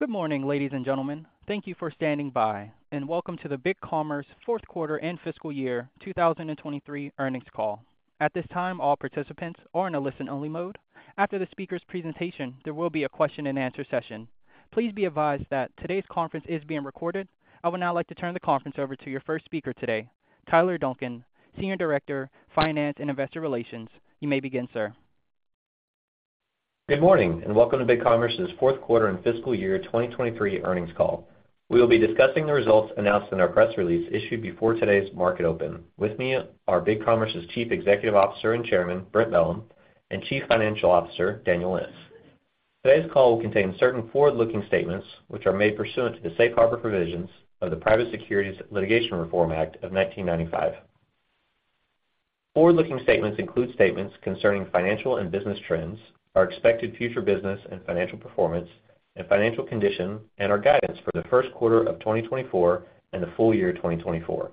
Good morning, ladies and gentlemen. Thank you for standing by, and welcome to the BigCommerce fourth quarter and fiscal year 2023 earnings call. At this time, all participants are in a listen-only mode. After the speaker's presentation, there will be a question-and-answer session. Please be advised that today's conference is being recorded. I would now like to turn the conference over to your first speaker today, Tyler Duncan, Senior Director, Finance and Investor Relations. You may begin, sir. Good morning, and welcome to BigCommerce's fourth quarter and fiscal year 2023 earnings call. We will be discussing the results announced in our press release issued before today's market open, with me, our BigCommerce's Chief Executive Officer and Chairman, Brent Bellm; and Chief Financial Officer, Daniel Lentz. Today's call will contain certain forward-looking statements which are made pursuant to the Safe Harbor Provisions of the Private Securities Litigation Reform Act of 1995. Forward-looking statements include statements concerning financial and business trends, our expected future business and financial performance, and financial condition, and our guidance for the first quarter of 2024 and the full year 2024.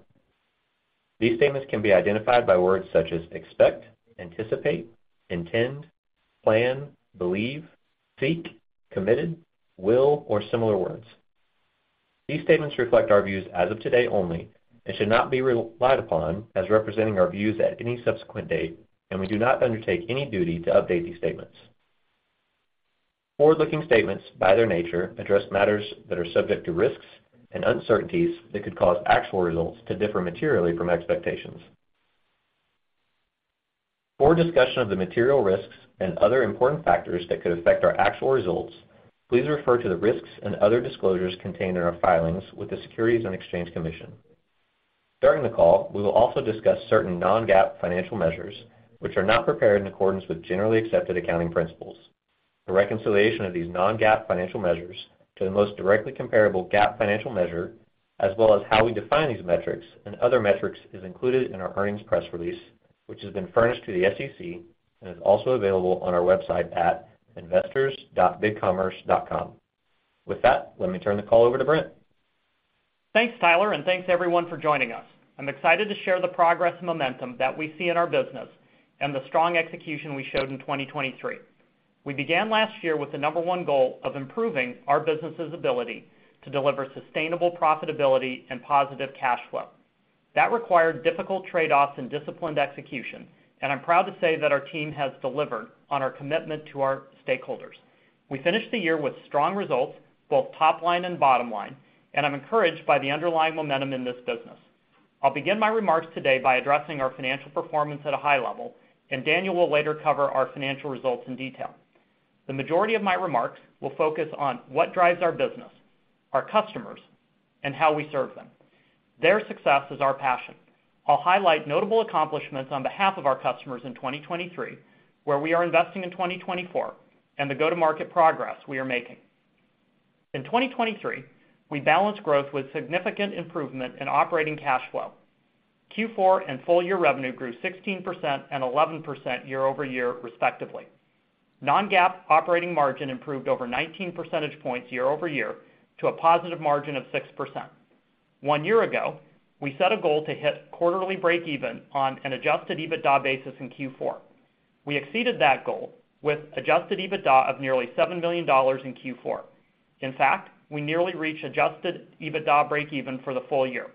These statements can be identified by words such as expect, anticipate, intend, plan, believe, seek, committed, will, or similar words. These statements reflect our views as of today only and should not be relied upon as representing our views at any subsequent date, and we do not undertake any duty to update these statements. Forward-looking statements, by their nature, address matters that are subject to risks and uncertainties that could cause actual results to differ materially from expectations. For discussion of the material risks and other important factors that could affect our actual results, please refer to the risks and other disclosures contained in our filings with the Securities and Exchange Commission. During the call, we will also discuss certain non-GAAP financial measures which are not prepared in accordance with generally accepted accounting principles. The reconciliation of these non-GAAP financial measures to the most directly comparable GAAP financial measure, as well as how we define these metrics and other metrics, is included in our earnings press release, which has been furnished to the SEC and is also available on our website at investors.bigcommerce.com. With that, let me turn the call over to Brent. Thanks, Tyler, and thanks everyone for joining us. I'm excited to share the progress and momentum that we see in our business and the strong execution we showed in 2023. We began last year with the number one goal of improving our business's ability to deliver sustainable profitability and positive cash flow. That required difficult trade-offs and disciplined execution, and I'm proud to say that our team has delivered on our commitment to our stakeholders. We finished the year with strong results, both top line and bottom line, and I'm encouraged by the underlying momentum in this business. I'll begin my remarks today by addressing our financial performance at a high level, and Daniel will later cover our financial results in detail. The majority of my remarks will focus on what drives our business, our customers, and how we serve them. Their success is our passion. I'll highlight notable accomplishments on behalf of our customers in 2023, where we are investing in 2024, and the go-to-market progress we are making. In 2023, we balanced growth with significant improvement in operating cash flow. Q4 and full-year revenue grew 16% and 11% year-over-year, respectively. Non-GAAP operating margin improved over 19 percentage points year-over-year to a positive margin of 6%. One year ago, we set a goal to hit quarterly break-even on an Adjusted EBITDA basis in Q4. We exceeded that goal with Adjusted EBITDA of nearly $7 million in Q4. In fact, we nearly reached Adjusted EBITDA break-even for the full year.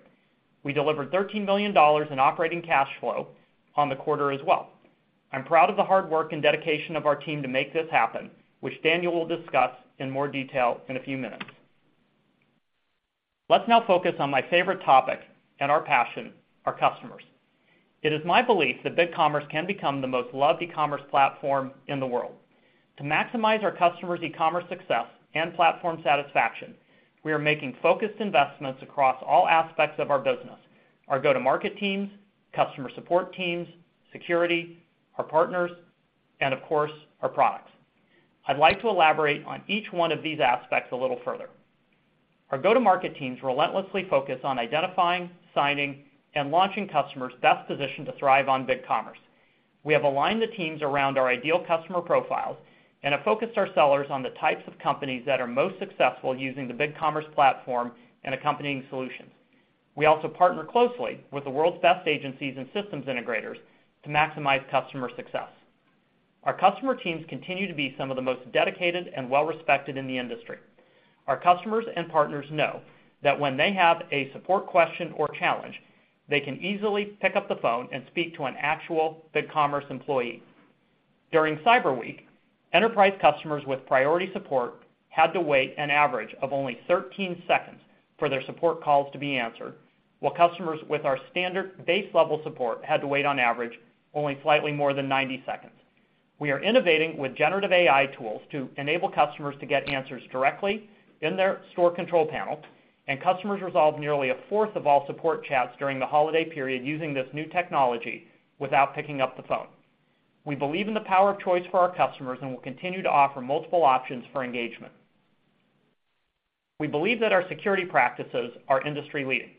We delivered $13 million in operating cash flow on the quarter as well. I'm proud of the hard work and dedication of our team to make this happen, which Daniel will discuss in more detail in a few minutes. Let's now focus on my favorite topic and our passion, our customers. It is my belief that BigCommerce can become the most loved e-commerce platform in the world. To maximize our customers' e-commerce success and platform satisfaction, we are making focused investments across all aspects of our business: our go-to-market teams, customer support teams, security, our partners, and, of course, our products. I'd like to elaborate on each one of these aspects a little further. Our go-to-market teams relentlessly focus on identifying, signing, and launching customers best positioned to thrive on BigCommerce. We have aligned the teams around our ideal customer profiles and have focused our sellers on the types of companies that are most successful using the BigCommerce platform and accompanying solutions. We also partner closely with the world's best agencies and systems integrators to maximize customer success. Our customer teams continue to be some of the most dedicated and well-respected in the industry. Our customers and partners know that when they have a support question or challenge, they can easily pick up the phone and speak to an actual BigCommerce employee. During Cyber Week, enterprise customers with priority support had to wait an average of only 13 seconds for their support calls to be answered, while customers with our standard, base-level support had to wait, on average, only slightly more than 90 seconds. We are innovating with generative AI tools to enable customers to get answers directly in their store control panel, and customers resolve nearly a fourth of all support chats during the holiday period using this new technology without picking up the phone. We believe in the power of choice for our customers and will continue to offer multiple options for engagement. We believe that our security practices are industry-leading.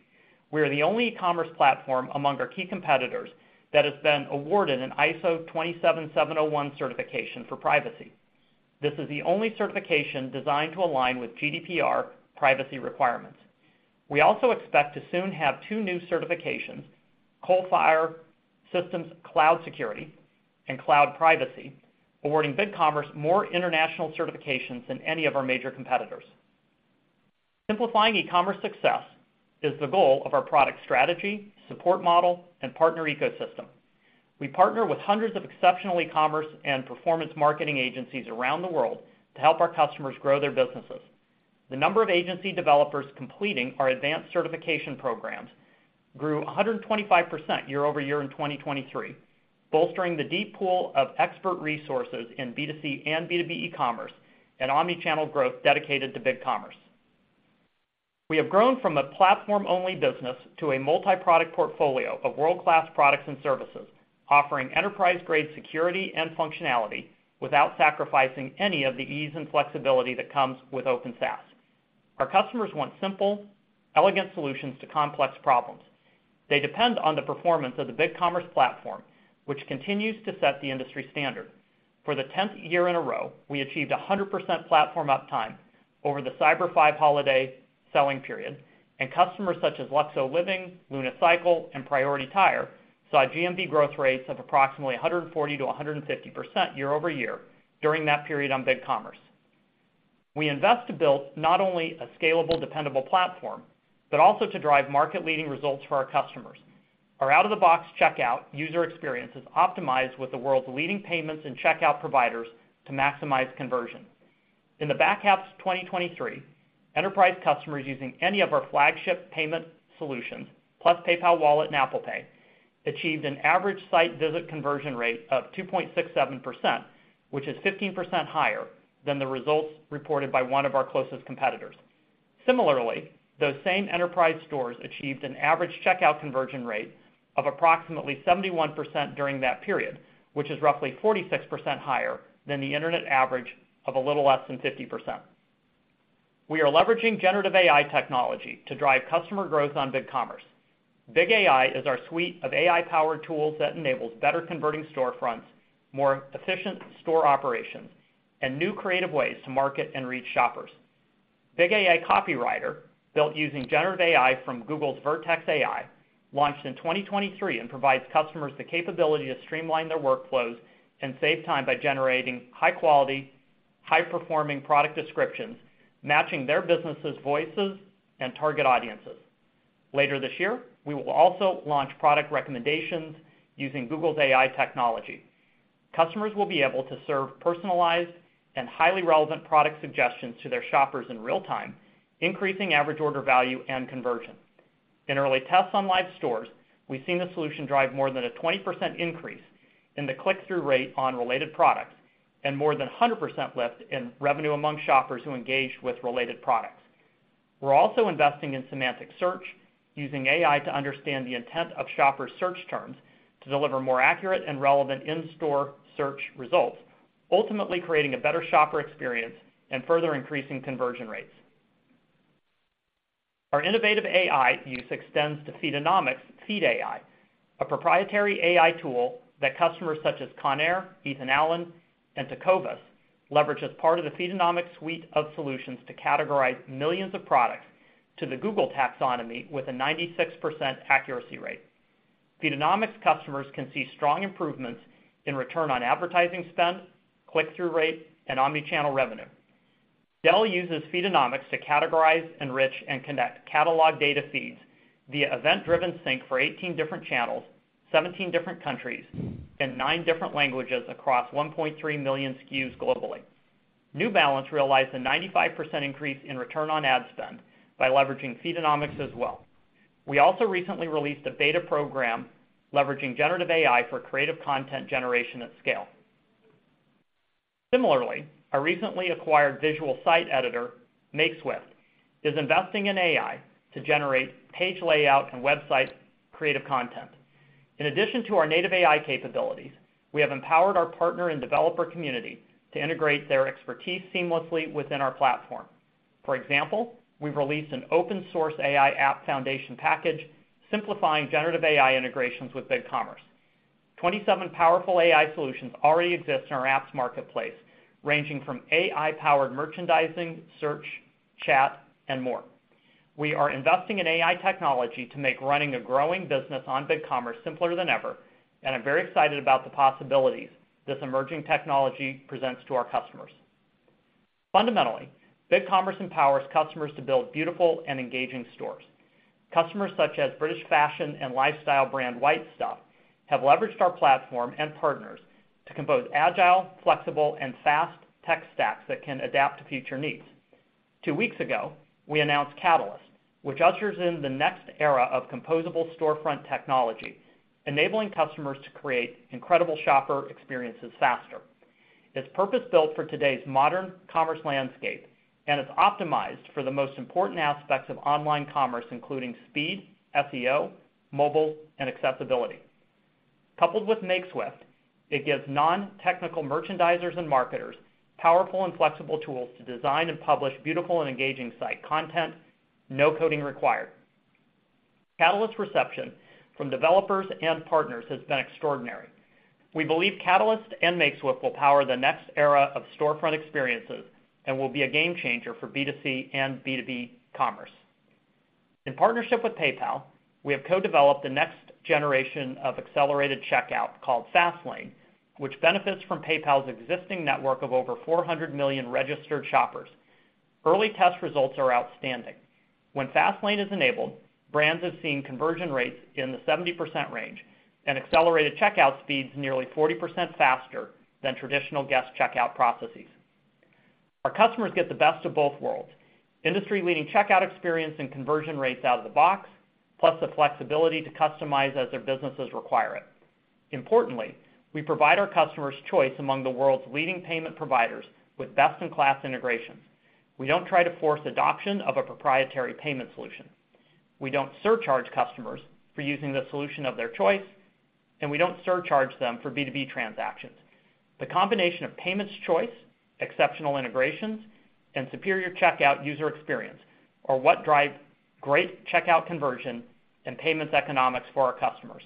We are the only e-commerce platform among our key competitors that has been awarded an ISO 27701 certification for privacy. This is the only certification designed to align with GDPR privacy requirements. We also expect to soon have two new certifications, Coalfire Systems Cloud Security and Cloud Privacy, awarding BigCommerce more international certifications than any of our major competitors. Simplifying e-commerce success is the goal of our product strategy, support model, and partner ecosystem. We partner with hundreds of exceptional e-commerce and performance marketing agencies around the world to help our customers grow their businesses. The number of agency developers completing our advanced certification programs grew 125% year-over-year in 2023, bolstering the deep pool of expert resources in B2C and B2B e-commerce and omnichannel growth dedicated to BigCommerce. We have grown from a platform-only business to a multi-product portfolio of world-class products and services, offering enterprise-grade security and functionality without sacrificing any of the ease and flexibility that comes with open SaaS. Our customers want simple, elegant solutions to complex problems. They depend on the performance of the BigCommerce platform, which continues to set the industry standard. For the tenth year in a row, we achieved 100% platform uptime over the Cyber Five holiday selling period, and customers such as Luxo Living, Luna Cycle, and Priority Tire saw GMV growth rates of approximately 140%-150% year-over-year during that period on BigCommerce. We invest to build not only a scalable, dependable platform but also to drive market-leading results for our customers: our out-of-the-box checkout user experiences optimized with the world's leading payments and checkout providers to maximize conversion. In the back half of 2023, enterprise customers using any of our flagship payment solutions, plus PayPal Wallet and Apple Pay, achieved an average site-visit conversion rate of 2.67%, which is 15% higher than the results reported by one of our closest competitors. Similarly, those same enterprise stores achieved an average checkout conversion rate of approximately 71% during that period, which is roughly 46% higher than the internet average of a little less than 50%. We are leveraging generative AI technology to drive customer growth on BigCommerce. BigAI is our suite of AI-powered tools that enables better converting storefronts, more efficient store operations, and new creative ways to market and reach shoppers. BigAI Copywriter, built using generative AI from Google's Vertex AI, launched in 2023 and provides customers the capability to streamline their workflows and save time by generating high-quality, high-performing product descriptions matching their business's voices and target audiences. Later this year, we will also launch product recommendations using Google's AI technology. Customers will be able to serve personalized and highly relevant product suggestions to their shoppers in real time, increasing average order value and conversion. In early tests on live stores, we've seen the solution drive more than a 20% increase in the click-through rate on related products and more than 100% lift in revenue among shoppers who engaged with related products. We're also investing in semantic search, using AI to understand the intent of shoppers' search terms to deliver more accurate and relevant in-store search results, ultimately creating a better shopper experience and further increasing conversion rates. Our innovative AI use extends to Feedonomics FeedAI, a proprietary AI tool that customers such as Conair, Ethan Allen, and Tecovas leverage as part of the Feedonomics suite of solutions to categorize millions of products to the Google taxonomy with a 96% accuracy rate. Feedonomics customers can see strong improvements in return on advertising spend, click-through rate, and omnichannel revenue. Dell uses Feedonomics to categorize, enrich, and connect catalog data feeds via event-driven sync for 18 different channels, 17 different countries, and nine different languages across 1.3 million SKUs globally. New Balance realized a 95% increase in return on ad spend by leveraging Feedonomics as well. We also recently released a beta program leveraging generative AI for creative content generation at scale. Similarly, our recently acquired visual site editor, Makeswift, is investing in AI to generate page layout and website creative content. In addition to our native AI capabilities, we have empowered our partner and developer community to integrate their expertise seamlessly within our platform. For example, we've released an open-source AI app foundation package simplifying generative AI integrations with BigCommerce. 27 powerful AI solutions already exist in our apps marketplace, ranging from AI-powered merchandising, search, chat, and more. We are investing in AI technology to make running a growing business on BigCommerce simpler than ever, and I'm very excited about the possibilities this emerging technology presents to our customers. Fundamentally, BigCommerce empowers customers to build beautiful and engaging stores. Customers such as British fashion and lifestyle brand White Stuff have leveraged our platform and partners to compose agile, flexible, and fast tech stacks that can adapt to future needs. Two weeks ago, we announced Catalyst, which ushers in the next era of composable storefront technology, enabling customers to create incredible shopper experiences faster. It's purpose-built for today's modern commerce landscape, and it's optimized for the most important aspects of online commerce, including speed, SEO, mobile, and accessibility. Coupled with Makeswift, it gives non-technical merchandisers and marketers powerful and flexible tools to design and publish beautiful and engaging site content, no coding required. Catalyst's reception from developers and partners has been extraordinary. We believe Catalyst and Makeswift will power the next era of storefront experiences and will be a game-changer for B2C and B2B commerce. In partnership with PayPal, we have co-developed the next generation of accelerated checkout called Fastlane, which benefits from PayPal's existing network of over 400 million registered shoppers. Early test results are outstanding. When Fastlane is enabled, brands have seen conversion rates in the 70% range and accelerated checkout speeds nearly 40% faster than traditional guest checkout processes. Our customers get the best of both worlds: industry-leading checkout experience and conversion rates out of the box, plus the flexibility to customize as their businesses require it. Importantly, we provide our customers choice among the world's leading payment providers with best-in-class integrations. We don't try to force adoption of a proprietary payment solution. We don't surcharge customers for using the solution of their choice, and we don't surcharge them for B2B transactions. The combination of payments choice, exceptional integrations, and superior checkout user experience are what drive great checkout conversion and payments economics for our customers.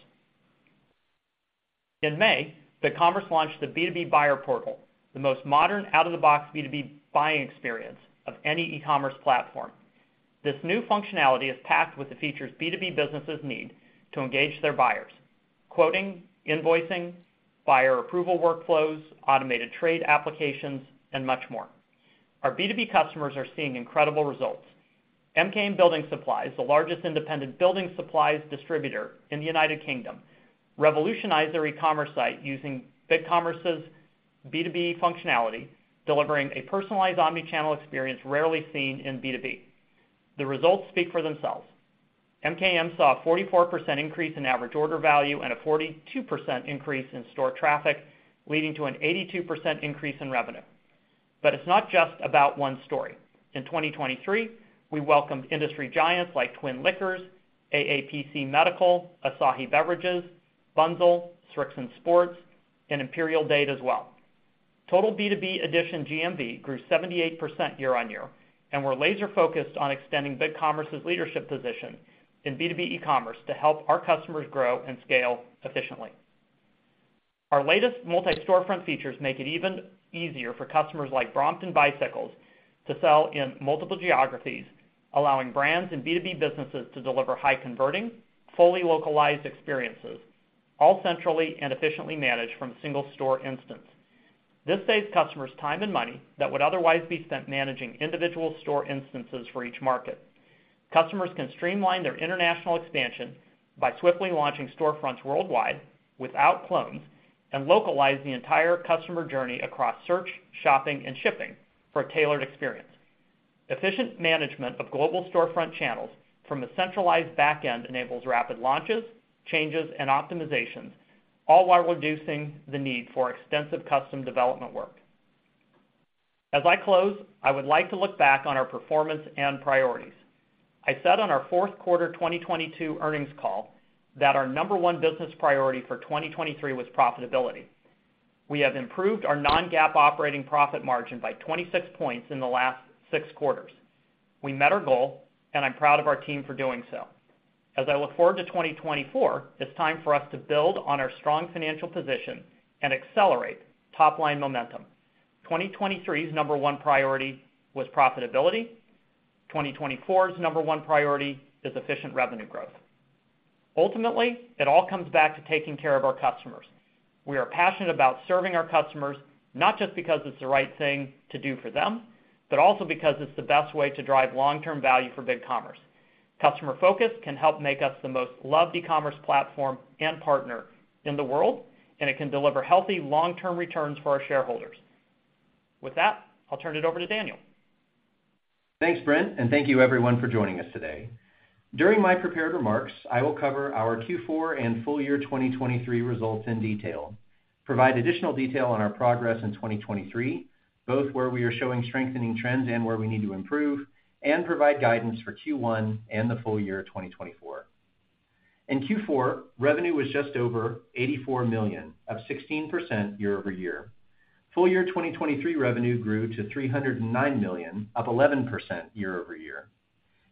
In May, BigCommerce launched the B2B Buyer Portal, the most modern out-of-the-box B2B buying experience of any e-commerce platform. This new functionality is packed with the features B2B businesses need to engage their buyers: quoting, invoicing, buyer approval workflows, automated trade applications, and much more. Our B2B customers are seeing incredible results. MKM Building Supplies, the largest independent building supplies distributor in the United Kingdom, revolutionized their e-commerce site using BigCommerce's B2B functionality, delivering a personalized omnichannel experience rarely seen in B2B. The results speak for themselves. MKM saw a 44% increase in average order value and a 42% increase in store traffic, leading to an 82% increase in revenue. It's not just about one story. In 2023, we welcomed industry giants like Twin Liquors, AAPC Medical, Asahi Beverages, Bunzl, Srixon Sports, and Imperial Dade as well. Total B2B Edition GMV grew 78% year-over-year, and we're laser-focused on extending BigCommerce's leadership position in B2B e-commerce to help our customers grow and scale efficiently. Our latest multi-storefront features make it even easier for customers like Brompton Bicycles to sell in multiple geographies, allowing brands and B2B businesses to deliver high-converting, fully localized experiences, all centrally and efficiently managed from single store instances. This saves customers time and money that would otherwise be spent managing individual store instances for each market. Customers can streamline their international expansion by swiftly launching storefronts worldwide without clones and localizing the entire customer journey across search, shopping, and shipping for a tailored experience. Efficient management of global storefront channels from a centralized back end enables rapid launches, changes, and optimizations, all while reducing the need for extensive custom development work. As I close, I would like to look back on our performance and priorities. I said on our fourth quarter 2022 earnings call that our number one business priority for 2023 was profitability. We have improved our non-GAAP operating profit margin by 26 points in the last six quarters. We met our goal, and I'm proud of our team for doing so. As I look forward to 2024, it's time for us to build on our strong financial position and accelerate top-line momentum. 2023's number one priority was profitability. 2024's number one priority is efficient revenue growth. Ultimately, it all comes back to taking care of our customers. We are passionate about serving our customers not just because it's the right thing to do for them, but also because it's the best way to drive long-term value for BigCommerce. Customer focus can help make us the most loved e-commerce platform and partner in the world, and it can deliver healthy, long-term returns for our shareholders. With that, I'll turn it over to Daniel. Thanks, Brent. Thank you, everyone, for joining us today. During my prepared remarks, I will cover our Q4 and full year 2023 results in detail, provide additional detail on our progress in 2023, both where we are showing strengthening trends and where we need to improve, and provide guidance for Q1 and the full year 2024. In Q4, revenue was just over $84 million, up 16% year-over-year. Full year 2023 revenue grew to $309 million, up 11% year-over-year.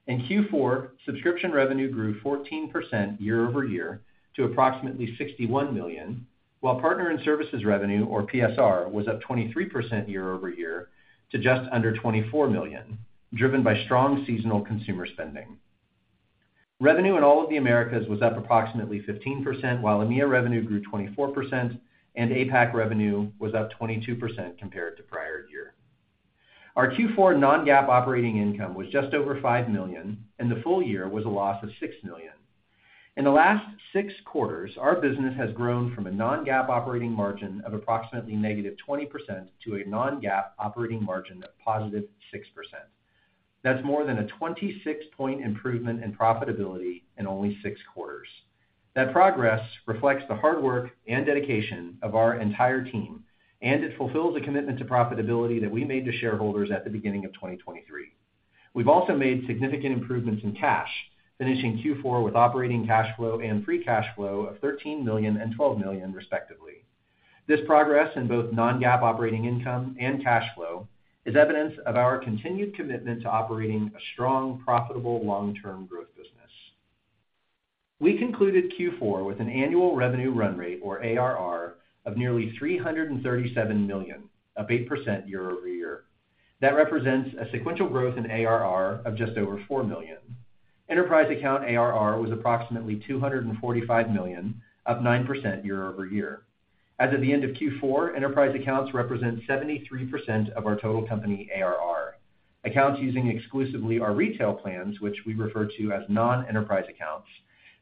In Q4, subscription revenue grew 14% year-over-year to approximately $61 million, while partner and services revenue, or PSR, was up 23% year-over-year to just under $24 million, driven by strong seasonal consumer spending. Revenue in all of the Americas was up approximately 15%, while EMEA revenue grew 24%, and APAC revenue was up 22% compared to prior year. Our Q4 non-GAAP operating income was just over $5 million, and the full year was a loss of $6 million. In the last six quarters, our business has grown from a non-GAAP operating margin of approximately -20% to a non-GAAP operating margin of +6%. That's more than a 26-point improvement in profitability in only six quarters. That progress reflects the hard work and dedication of our entire team, and it fulfills a commitment to profitability that we made to shareholders at the beginning of 2023. We've also made significant improvements in cash, finishing Q4 with operating cash flow and free cash flow of $13 million and $12 million, respectively. This progress in both non-GAAP operating income and cash flow is evidence of our continued commitment to operating a strong, profitable, long-term growth business. We concluded Q4 with an annual revenue run rate, or ARR, of nearly $337 million, up 8% year-over-year. That represents a sequential growth in ARR of just over $4 million. Enterprise account ARR was approximately $245 million, up 9% year-over-year. As of the end of Q4, enterprise accounts represent 73% of our total company ARR. Accounts using exclusively our retail plans, which we refer to as non-enterprise accounts,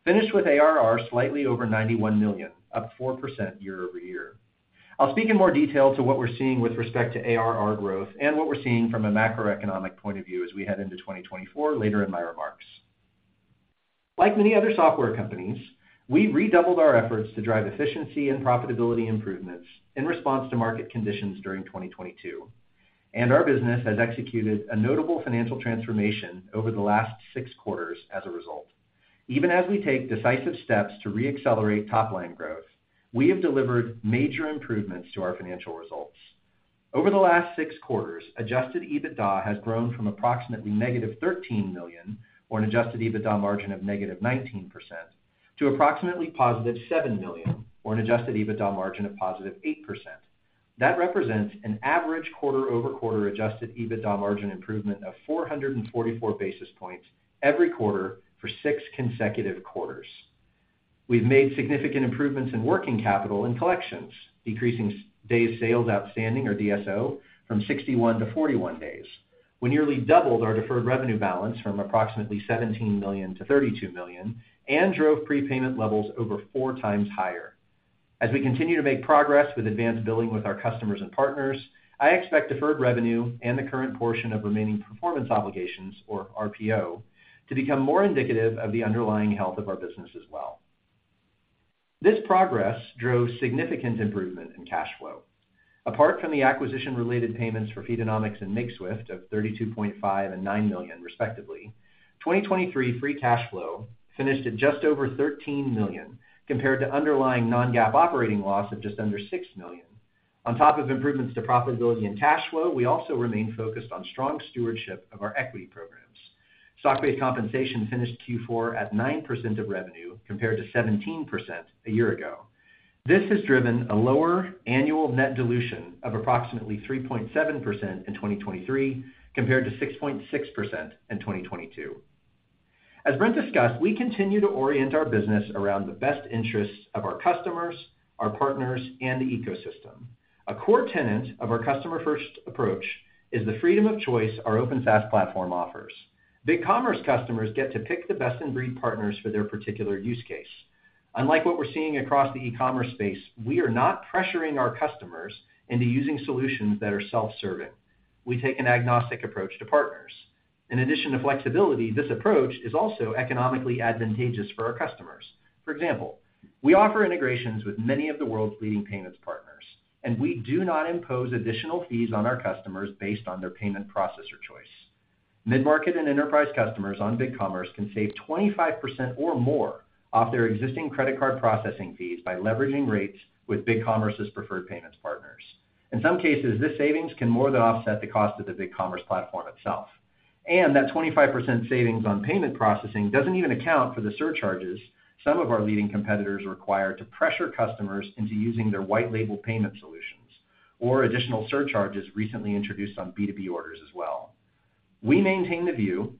finished with ARR slightly over $91 million, up 4% year-over-year. I'll speak in more detail to what we're seeing with respect to ARR growth and what we're seeing from a macroeconomic point of view as we head into 2024 later in my remarks. Like many other software companies, we redoubled our efforts to drive efficiency and profitability improvements in response to market conditions during 2022. Our business has executed a notable financial transformation over the last six quarters as a result. Even as we take decisive steps to reaccelerate top-line growth, we have delivered major improvements to our financial results. Over the last six quarters, adjusted EBITDA has grown from approximately -$13 million, or an adjusted EBITDA margin of -19%, to approximately +$7 million, or an adjusted EBITDA margin of +8%. That represents an average quarter-over-quarter adjusted EBITDA margin improvement of 444 basis points every quarter for six consecutive quarters. We've made significant improvements in working capital and collections, decreasing day sales outstanding, or DSO, from 61 to 41 days, we've nearly doubled our deferred revenue balance from approximately $17 million to $32 million, and drove prepayment levels over four times higher. As we continue to make progress with advanced billing with our customers and partners, I expect deferred revenue and the current portion of remaining performance obligations, or RPO, to become more indicative of the underlying health of our business as well. This progress drove significant improvement in cash flow. Apart from the acquisition-related payments for Feedonomics and Makeswift of $32.5 million and $9 million, respectively, 2023 free cash flow finished at just over $13 million compared to underlying non-GAAP operating loss of just under $6 million. On top of improvements to profitability and cash flow, we also remain focused on strong stewardship of our equity programs. Stock-based compensation finished Q4 at 9% of revenue compared to 17% a year ago. This has driven a lower annual net dilution of approximately 3.7% in 2023 compared to 6.6% in 2022. As Brent discussed, we continue to orient our business around the best interests of our customers, our partners, and the ecosystem. A core tenet of our customer-first approach is the freedom of choice our open SaaS platform offers. BigCommerce customers get to pick the best-in-breed partners for their particular use case. Unlike what we're seeing across the e-commerce space, we are not pressuring our customers into using solutions that are self-serving. We take an agnostic approach to partners. In addition to flexibility, this approach is also economically advantageous for our customers. For example, we offer integrations with many of the world's leading payments partners, and we do not impose additional fees on our customers based on their payment processor choice. Mid-market and enterprise customers on BigCommerce can save 25% or more off their existing credit card processing fees by leveraging rates with BigCommerce's preferred payments partners. In some cases, this savings can more than offset the cost of the BigCommerce platform itself. That 25% savings on payment processing doesn't even account for the surcharges some of our leading competitors require to pressure customers into using their white-label payment solutions, or additional surcharges recently introduced on B2B orders as well. We maintain the view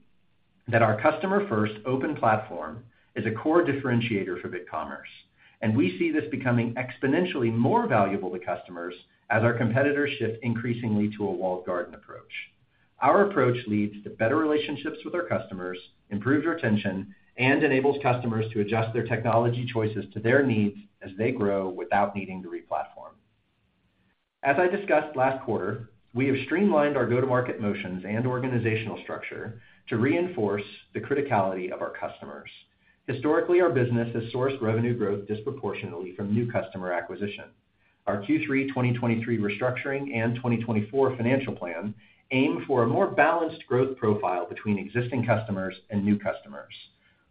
that our customer-first open platform is a core differentiator for BigCommerce, and we see this becoming exponentially more valuable to customers as our competitors shift increasingly to a walled garden approach. Our approach leads to better relationships with our customers, improved retention, and enables customers to adjust their technology choices to their needs as they grow without needing to replatform. As I discussed last quarter, we have streamlined our go-to-market motions and organizational structure to reinforce the criticality of our customers. Historically, our business has sourced revenue growth disproportionately from new customer acquisition. Our Q3 2023 restructuring and 2024 financial plan aim for a more balanced growth profile between existing customers and new customers.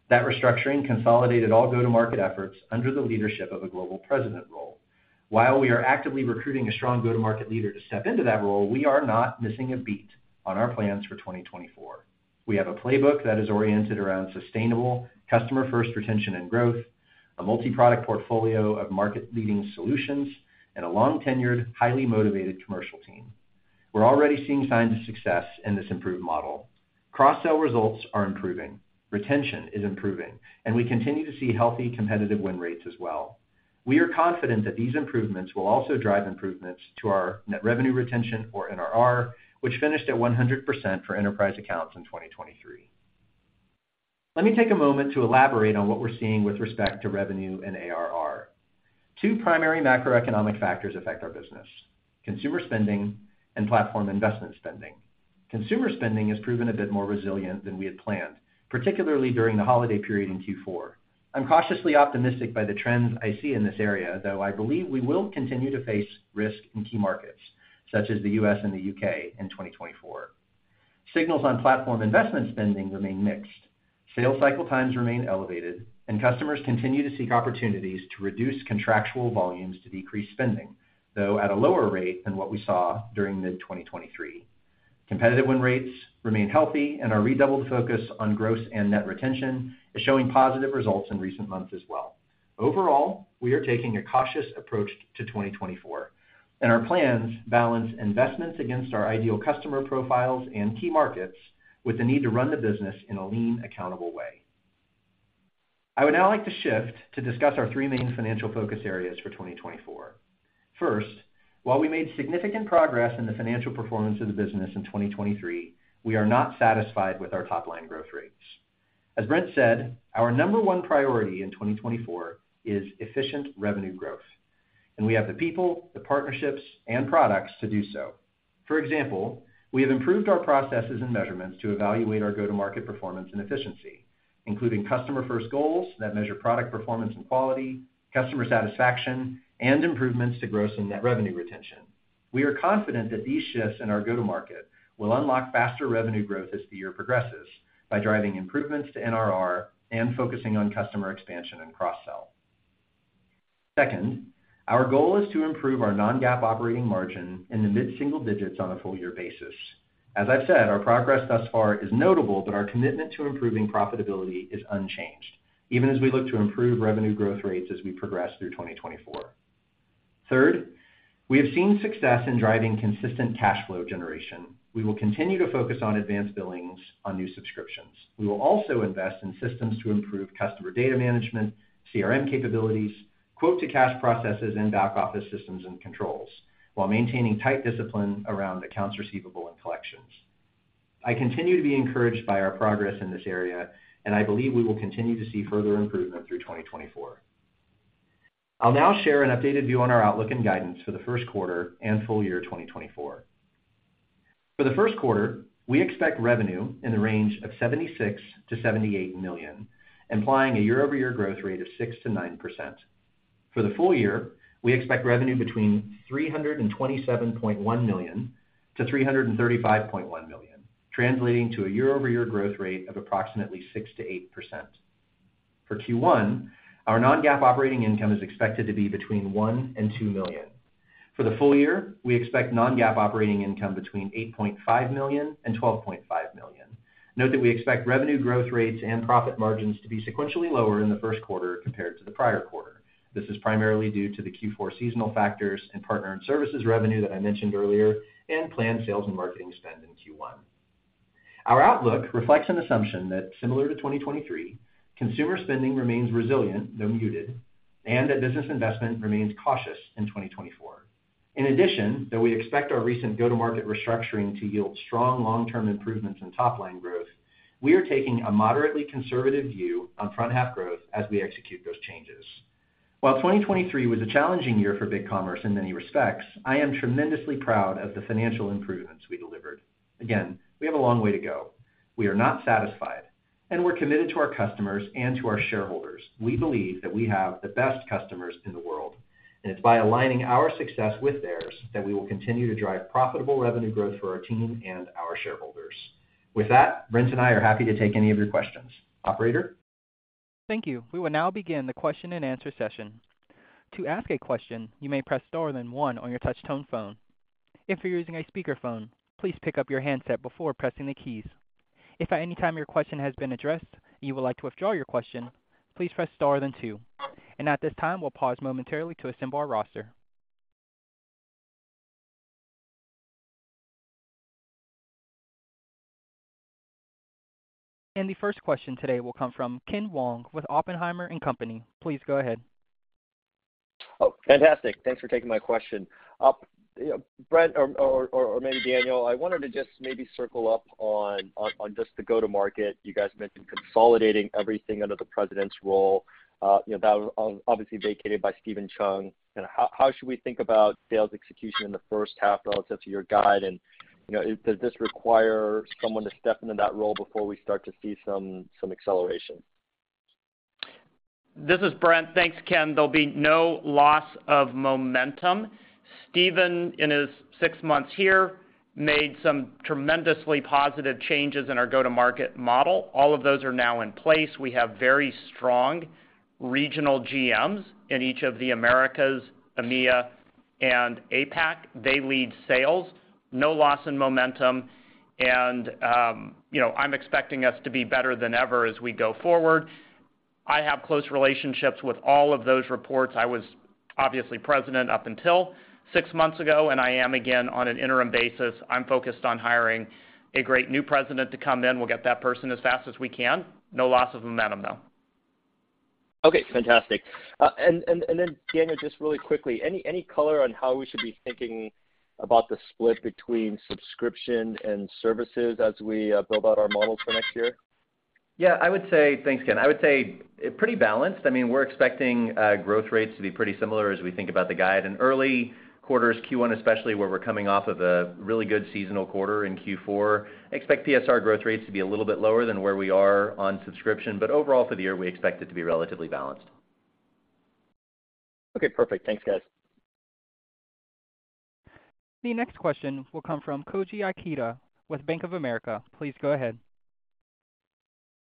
That restructuring consolidated all go-to-market efforts under the leadership of a global president role. While we are actively recruiting a strong go-to-market leader to step into that role, we are not missing a beat on our plans for 2024. We have a playbook that is oriented around sustainable, customer-first retention and growth, a multi-product portfolio of market-leading solutions, and a long-tenured, highly motivated commercial team. We're already seeing signs of success in this improved model. Cross-sell results are improving. Retention is improving, and we continue to see healthy, competitive win rates as well. We are confident that these improvements will also drive improvements to our net revenue retention, or NRR, which finished at 100% for enterprise accounts in 2023. Let me take a moment to elaborate on what we're seeing with respect to revenue and ARR. Two primary macroeconomic factors affect our business: consumer spending and platform investment spending. Consumer spending has proven a bit more resilient than we had planned, particularly during the holiday period in Q4. I'm cautiously optimistic by the trends I see in this area, though I believe we will continue to face risk in key markets, such as the U.S. and the U.K., in 2024. Signals on platform investment spending remain mixed. Sales cycle times remain elevated, and customers continue to seek opportunities to reduce contractual volumes to decrease spending, though at a lower rate than what we saw during mid-2023. Competitive win rates remain healthy, and our redoubled focus on growth and net retention is showing positive results in recent months as well. Overall, we are taking a cautious approach to 2024, and our plans balance investments against our ideal customer profiles and key markets with the need to run the business in a lean, accountable way. I would now like to shift to discuss our three main financial focus areas for 2024. First, while we made significant progress in the financial performance of the business in 2023, we are not satisfied with our top-line growth rates. As Brent said, our number one priority in 2024 is efficient revenue growth, and we have the people, the partnerships, and products to do so. For example, we have improved our processes and measurements to evaluate our go-to-market performance and efficiency, including customer-first goals that measure product performance and quality, customer satisfaction, and improvements to growth and net revenue retention. We are confident that these shifts in our go-to-market will unlock faster revenue growth as the year progresses by driving improvements to NRR and focusing on customer expansion and cross-sell. Second, our goal is to improve our non-GAAP operating margin in the mid-single digits on a full year basis. As I've said, our progress thus far is notable, but our commitment to improving profitability is unchanged, even as we look to improve revenue growth rates as we progress through 2024. Third, we have seen success in driving consistent cash flow generation. We will continue to focus on advanced billings on new subscriptions. We will also invest in systems to improve customer data management, CRM capabilities, quote-to-cash processes, and back-office systems and controls, while maintaining tight discipline around accounts receivable and collections. I continue to be encouraged by our progress in this area, and I believe we will continue to see further improvement through 2024. I'll now share an updated view on our outlook and guidance for the first quarter and full year 2024. For the first quarter, we expect revenue in the range of $76 million-$78 million, implying a year-over-year growth rate of 6%-9%. For the full year, we expect revenue between $327.1 million-$335.1 million, translating to a year-over-year growth rate of approximately 6%-8%. For Q1, our non-GAAP operating income is expected to be between $1 million-$2 million. For the full year, we expect non-GAAP operating income between $8.5 million-$12.5 million. Note that we expect revenue growth rates and profit margins to be sequentially lower in the first quarter compared to the prior quarter. This is primarily due to the Q4 seasonal factors and partner and services revenue that I mentioned earlier, and planned sales and marketing spend in Q1. Our outlook reflects an assumption that, similar to 2023, consumer spending remains resilient, though muted, and that business investment remains cautious in 2024. In addition, though we expect our recent go-to-market restructuring to yield strong, long-term improvements in top-line growth, we are taking a moderately conservative view on front-half growth as we execute those changes. While 2023 was a challenging year for BigCommerce in many respects, I am tremendously proud of the financial improvements we delivered. Again, we have a long way to go. We are not satisfied, and we're committed to our customers and to our shareholders. We believe that we have the best customers in the world, and it's by aligning our success with theirs that we will continue to drive profitable revenue growth for our team and our shareholders. With that, Brent and I are happy to take any of your questions. Operator? Thank you. We will now begin the question-and-answer session. To ask a question, you may press star, then one on your touch-tone phone. If you're using a speakerphone, please pick up your handset before pressing the keys. If at any time your question has been addressed and you would like to withdraw your question, please press star, then two. At this time, we'll pause momentarily to assemble our roster. The first question today will come from Ken Wong with Oppenheimer & Company. Please go ahead. Oh, fantastic. Thanks for taking my question. Brent, or maybe Daniel, I wanted to just maybe circle up on just the go-to-market. You guys mentioned consolidating everything under the president's role. That was obviously vacated by Steven Chung. How should we think about sales execution in the first half relative to your guide, and does this require someone to step into that role before we start to see some acceleration? This is Brent. Thanks, Ken. There'll be no loss of momentum. Steven, in his six months here, made some tremendously positive changes in our go-to-market model. All of those are now in place. We have very strong regional GMs in each of the Americas: EMEA and APAC. They lead sales. No loss in momentum, and I'm expecting us to be better than ever as we go forward. I have close relationships with all of those reports. I was obviously president up until six months ago, and I am again on an interim basis. I'm focused on hiring a great new president to come in. We'll get that person as fast as we can. No loss of momentum, though. Okay. Fantastic. And then, Daniel, just really quickly, any color on how we should be thinking about the split between subscription and services as we build out our models for next year? Yeah. Thanks, Ken. I would say pretty balanced. I mean, we're expecting growth rates to be pretty similar as we think about the guide. In early quarters, Q1 especially, where we're coming off of a really good seasonal quarter in Q4, expect PSR growth rates to be a little bit lower than where we are on subscription. But overall, for the year, we expect it to be relatively balanced. Okay. Perfect. Thanks, guys. The next question will come from Koji Ikeda with Bank of America. Please go ahead.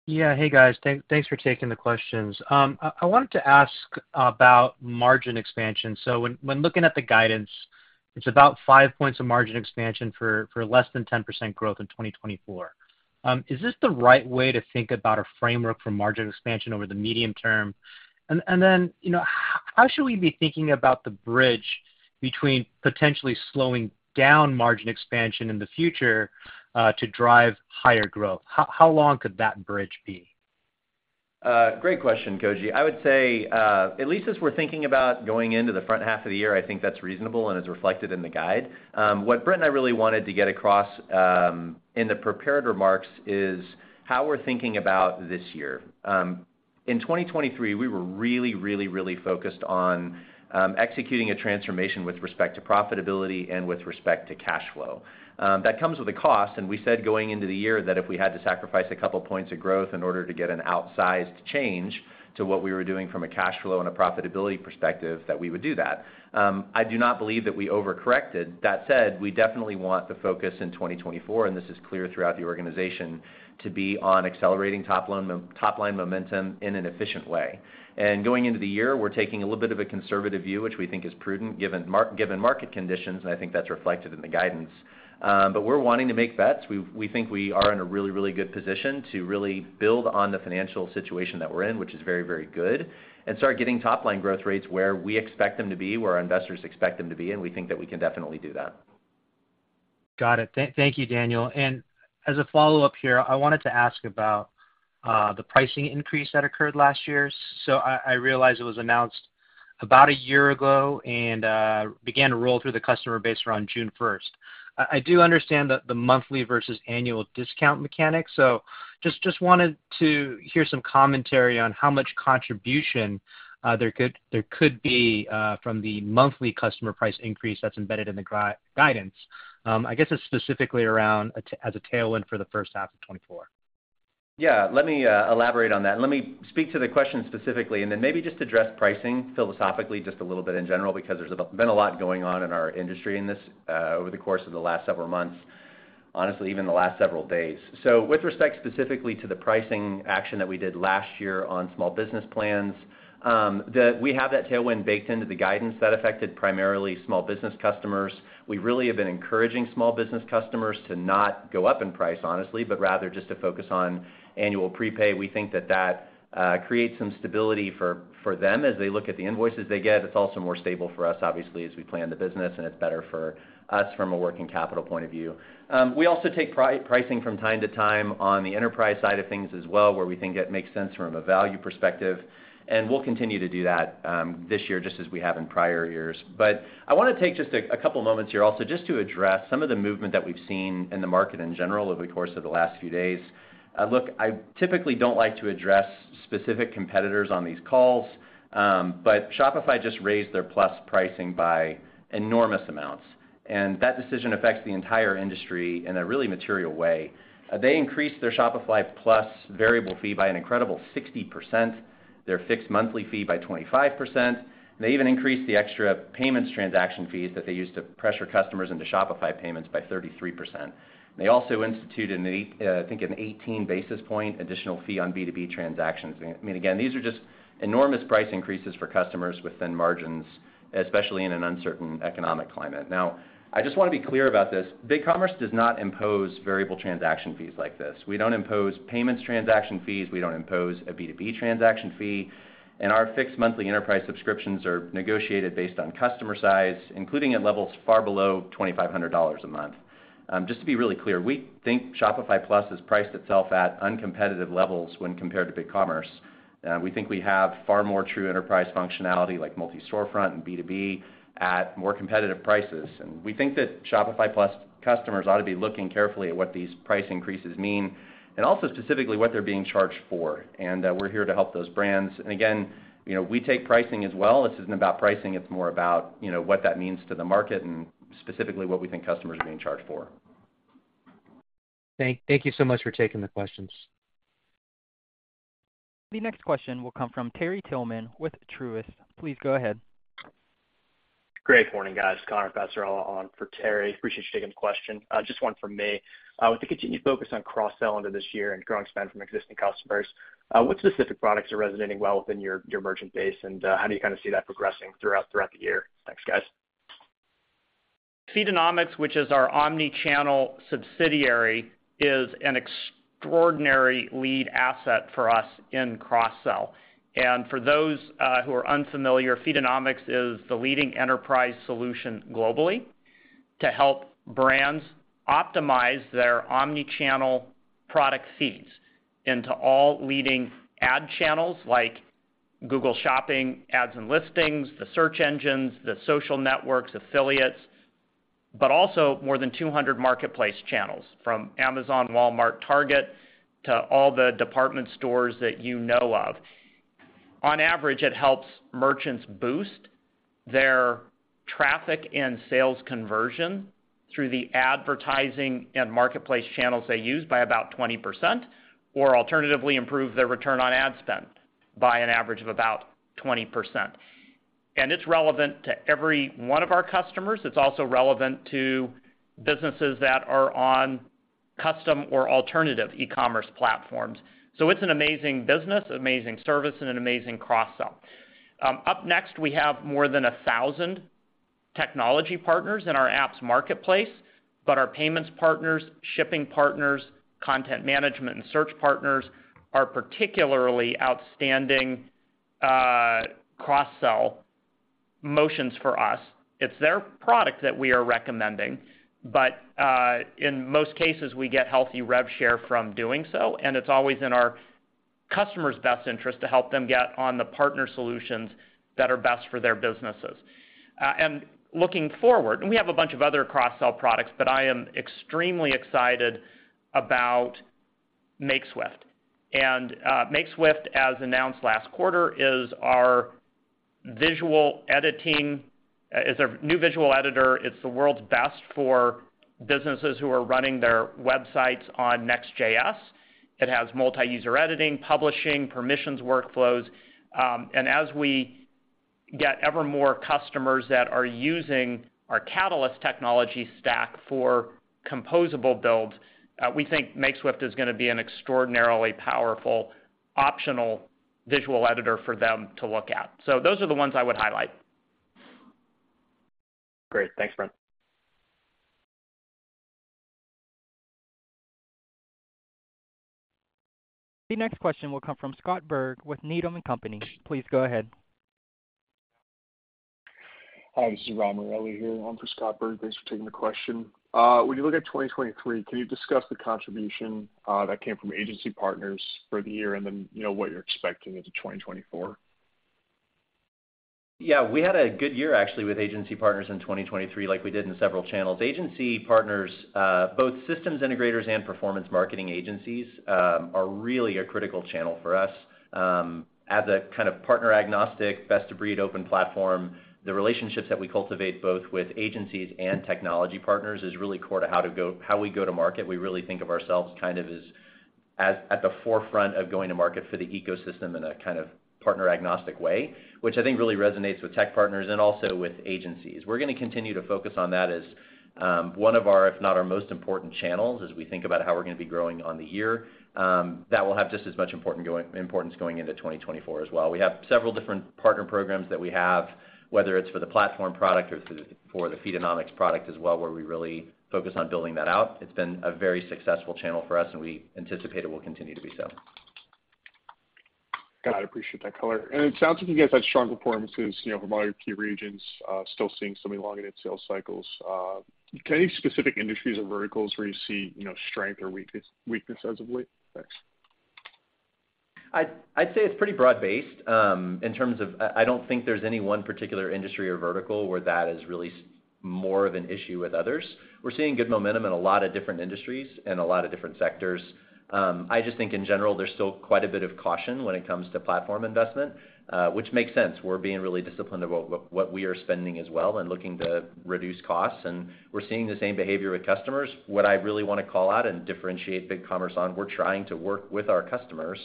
Yeah. Hey, guys. Thanks for taking the questions. I wanted to ask about margin expansion. So when looking at the guidance, it's about five points of margin expansion for less than 10% growth in 2024. Is this the right way to think about a framework for margin expansion over the medium term? And then how should we be thinking about the bridge between potentially slowing down margin expansion in the future to drive higher growth? How long could that bridge be? Great question, Koji. I would say at least as we're thinking about going into the front half of the year, I think that's reasonable and is reflected in the guide. What Brent and I really wanted to get across in the prepared remarks is how we're thinking about this year. In 2023, we were really, really, really focused on executing a transformation with respect to profitability and with respect to cash flow. That comes with a cost, and we said going into the year that if we had to sacrifice a couple of points of growth in order to get an outsized change to what we were doing from a cash flow and a profitability perspective, that we would do that. I do not believe that we overcorrected. That said, we definitely want the focus in 2024, and this is clear throughout the organization, to be on accelerating top-line momentum in an efficient way. And going into the year, we're taking a little bit of a conservative view, which we think is prudent given market conditions, and I think that's reflected in the guidance. But we're wanting to make bets. We think we are in a really, really good position to really build on the financial situation that we're in, which is very, very good, and start getting top-line growth rates where we expect them to be, where our investors expect them to be, and we think that we can definitely do that. Got it. Thank you, Daniel. And as a follow-up here, I wanted to ask about the pricing increase that occurred last year. So I realize it was announced about a year ago and began to roll through the customer base around June 1st. I do understand the monthly versus annual discount mechanics, so just wanted to hear some commentary on how much contribution there could be from the monthly customer price increase that's embedded in the guidance. I guess it's specifically around as a tailwind for the first half of 2024. Yeah. Let me elaborate on that. Let me speak to the question specifically, and then maybe just address pricing philosophically just a little bit in general because there's been a lot going on in our industry in this over the course of the last several months, honestly, even the last several days. So with respect specifically to the pricing action that we did last year on small business plans, we have that tailwind baked into the guidance that affected primarily small business customers. We really have been encouraging small business customers to not go up in price, honestly, but rather just to focus on annual prepay. We think that that creates some stability for them as they look at the invoices they get. It's also more stable for us, obviously, as we plan the business, and it's better for us from a working capital point of view. We also take pricing from time to time on the enterprise side of things as well, where we think it makes sense from a value perspective, and we'll continue to do that this year just as we have in prior years. But I want to take just a couple of moments here also just to address some of the movement that we've seen in the market in general over the course of the last few days. Look, I typically don't like to address specific competitors on these calls, but Shopify just raised their Plus pricing by enormous amounts, and that decision affects the entire industry in a really material way. They increased their Shopify Plus variable fee by an incredible 60%, their fixed monthly fee by 25%, and they even increased the extra payments transaction fees that they used to pressure customers into Shopify Payments by 33%. They also instituted, I think, an 18 basis point additional fee on B2B transactions. I mean, again, these are just enormous price increases for customers with thin margins, especially in an uncertain economic climate. Now, I just want to be clear about this. BigCommerce does not impose variable transaction fees like this. We don't impose payments transaction fees. We don't impose a B2B transaction fee. And our fixed monthly enterprise subscriptions are negotiated based on customer size, including at levels far below $2,500 a month. Just to be really clear, we think Shopify Plus has priced itself at uncompetitive levels when compared to BigCommerce. We think we have far more true enterprise functionality like multi-storefront and B2B at more competitive prices. And we think that Shopify Plus customers ought to be looking carefully at what these price increases mean and also specifically what they're being charged for. We're here to help those brands. Again, we take pricing as well. This isn't about pricing. It's more about what that means to the market and specifically what we think customers are being charged for. Thank you so much for taking the questions. The next question will come from Terry Tillman with Truist. Please go ahead. Great. Morning, guys. Connor Passarella on for Terry Tillman. Appreciate you taking the question. Just one from me. With the continued focus on cross-sell into this year and growing spend from existing customers, what specific products are resonating well within your merchant base, and how do you kind of see that progressing throughout the year? Thanks, guys. Feedonomics, which is our omnichannel subsidiary, is an extraordinary lead asset for us in cross-sell. For those who are unfamiliar, Feedonomics is the leading enterprise solution globally to help brands optimize their omnichannel product feeds into all leading ad channels like Google Shopping, ads and listings, the search engines, the social networks, affiliates, but also more than 200 marketplace channels from Amazon, Walmart, and Target to all the department stores that you know of. On average, it helps merchants boost their traffic and sales conversion through the advertising and marketplace channels they use by about 20% or alternatively improve their return on ad spend by an average of about 20%. It's relevant to every one of our customers. It's also relevant to businesses that are on custom or alternative e-commerce platforms. It's an amazing business, amazing service, and an amazing cross-sell. Up next, we have more than 1,000 technology partners in our apps marketplace, but our payments partners, shipping partners, content management, and search partners are particularly outstanding cross-sell motions for us. It's their product that we are recommending, but in most cases, we get healthy rev share from doing so, and it's always in our customer's best interest to help them get on the partner solutions that are best for their businesses. And looking forward and we have a bunch of other cross-sell products, but I am extremely excited about Makeswift. And Makeswift, as announced last quarter, is our new visual editor. It's the world's best for businesses who are running their websites on Next.js. It has multi-user editing, publishing, permissions workflows. As we get ever more customers that are using our Catalyst technology stack for composable builds, we think Makeswift is going to be an extraordinarily powerful optional visual editor for them to look at. Those are the ones I would highlight. Great. Thanks, Brent. The next question will come from Scott Berg with Needham & Company. Please go ahead. Hi. This is Ron Josey here. I'm for Scott Berg. Thanks for taking the question. When you look at 2023, can you discuss the contribution that came from agency partners for the year and then what you're expecting into 2024? Yeah. We had a good year, actually, with agency partners in 2023 like we did in several channels. Agency partners, both systems integrators and performance marketing agencies, are really a critical channel for us. As a kind of partner-agnostic, best-of-breed open platform, the relationships that we cultivate both with agencies and technology partners is really core to how we go to market. We really think of ourselves kind of as at the forefront of going to market for the ecosystem in a kind of partner-agnostic way, which I think really resonates with tech partners and also with agencies. We're going to continue to focus on that as one of our, if not our most important channels as we think about how we're going to be growing on the year. That will have just as much importance going into 2024 as well. We have several different partner programs that we have, whether it's for the platform product or for the Feedonomics product as well, where we really focus on building that out. It's been a very successful channel for us, and we anticipate it will continue to be so. Got it. Appreciate that color. It sounds like you guys had strong performances from all your key regions, still seeing somewhat longer-ended sales cycles. Any specific industries or verticals where you see strength or weakness as of late? Thanks. I'd say it's pretty broad-based in terms of I don't think there's any one particular industry or vertical where that is really more of an issue with others. We're seeing good momentum in a lot of different industries and a lot of different sectors. I just think, in general, there's still quite a bit of caution when it comes to platform investment, which makes sense. We're being really disciplined about what we are spending as well and looking to reduce costs. And we're seeing the same behavior with customers. What I really want to call out and differentiate BigCommerce on, we're trying to work with our customers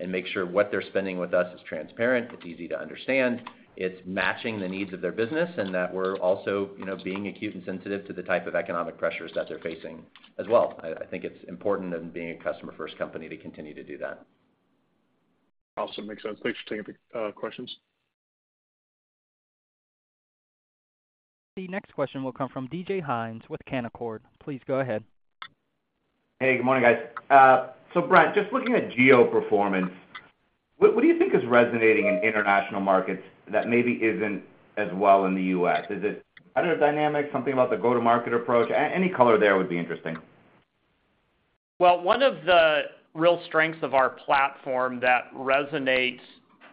and make sure what they're spending with us is transparent, it's easy to understand, it's matching the needs of their business, and that we're also being acute and sensitive to the type of economic pressures that they're facing as well. I think it's important in being a customer-first company to continue to do that. Awesome. Makes sense. Thanks for taking the questions. The next question will come from DJ Hynes with Canaccord. Please go ahead. Hey. Good morning, guys. So, Brent, just looking at geo-performance, what do you think is resonating in international markets that maybe isn't as well in the U.S.? Is it competitive dynamics, something about the go-to-market approach? Any color there would be interesting. Well, one of the real strengths of our platform that resonates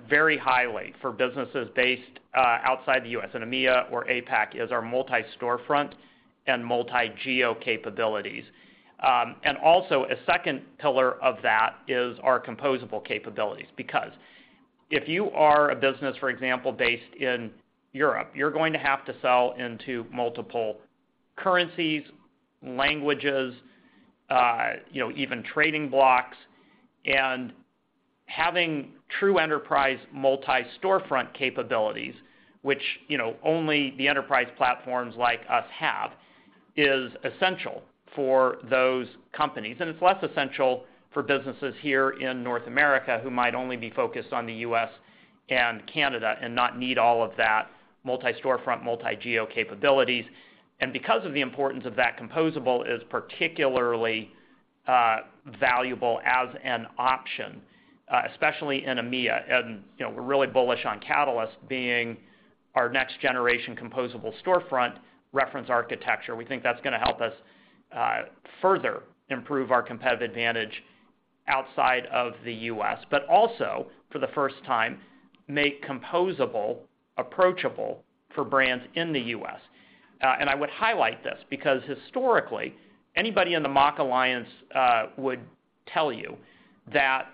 very highly for businesses based outside the U.S. in EMEA or APAC is our multi-storefront and multi-geo capabilities. Also, a second pillar of that is our composable capabilities because if you are a business, for example, based in Europe, you're going to have to sell into multiple currencies, languages, even trading blocks. Having true enterprise multi-storefront capabilities, which only the enterprise platforms like us have, is essential for those companies. It's less essential for businesses here in North America who might only be focused on the U.S. and Canada and not need all of that multi-storefront, multi-geo capabilities. Because of the importance of that composable, it is particularly valuable as an option, especially in EMEA. We're really bullish on Catalyst being our next-generation composable storefront reference architecture. We think that's going to help us further improve our competitive advantage outside of the U.S., but also, for the first time, make composable approachable for brands in the U.S. And I would highlight this because, historically, anybody in the MACH Alliance would tell you that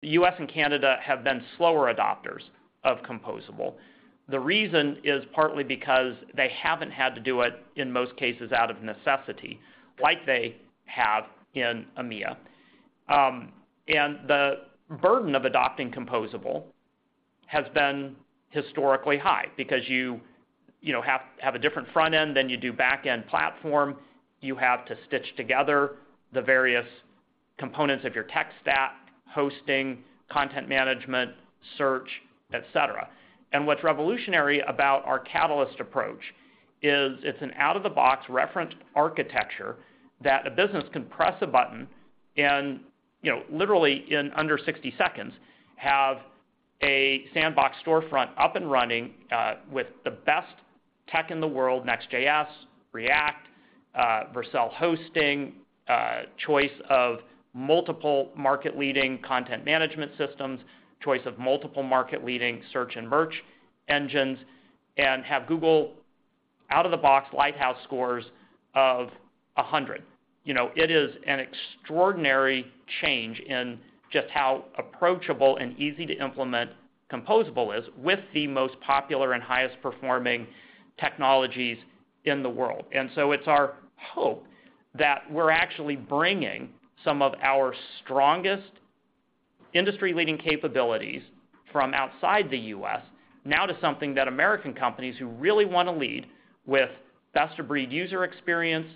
the U.S. and Canada have been slower adopters of composable. The reason is partly because they haven't had to do it, in most cases, out of necessity like they have in EMEA. And the burden of adopting composable has been historically high because you have a different front end than you do back end platform. You have to stitch together the various components of your tech stack: hosting, content management, search, etc. What's revolutionary about our Catalyst approach is it's an out-of-the-box reference architecture that a business can press a button and, literally, in under 60 seconds, have a sandbox storefront up and running with the best tech in the world: Next.js, React, Vercel hosting, choice of multiple market-leading content management systems, choice of multiple market-leading search and merch engines, and have Google out-of-the-box Lighthouse scores of 100. It is an extraordinary change in just how approachable and easy to implement composable is with the most popular and highest-performing technologies in the world. So it's our hope that we're actually bringing some of our strongest industry-leading capabilities from outside the U.S. now to something that American companies who really want to lead with best-of-breed user experience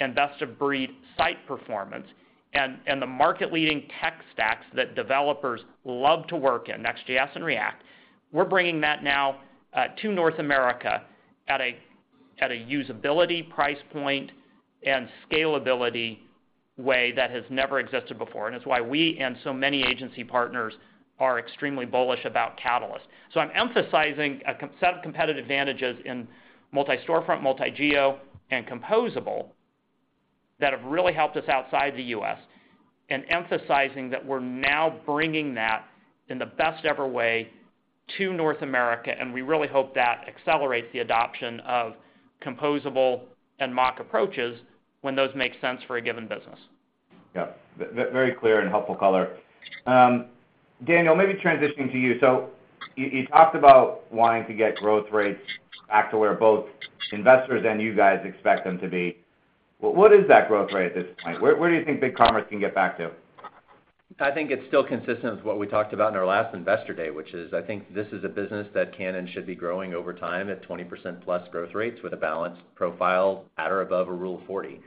and best-of-breed site performance and the market-leading tech stacks that developers love to work in: Next.js and React. We're bringing that now to North America at a usability price point and scalability way that has never existed before. That's why we and so many agency partners are extremely bullish about Catalyst. I'm emphasizing a set of competitive advantages in multi-storefront, multi-geo, and composable that have really helped us outside the U.S. and emphasizing that we're now bringing that in the best-ever way to North America. We really hope that accelerates the adoption of composable and MACH approaches when those make sense for a given business. Yeah. Very clear and helpful color. Daniel, maybe transitioning to you. So you talked about wanting to get growth rates back to where both investors and you guys expect them to be. What is that growth rate at this point? Where do you think BigCommerce can get back to? I think it's still consistent with what we talked about in our last Investor Day, which is I think this is a business that can and should be growing over time at 20%+ growth rates with a balanced profile at or above a Rule of 40.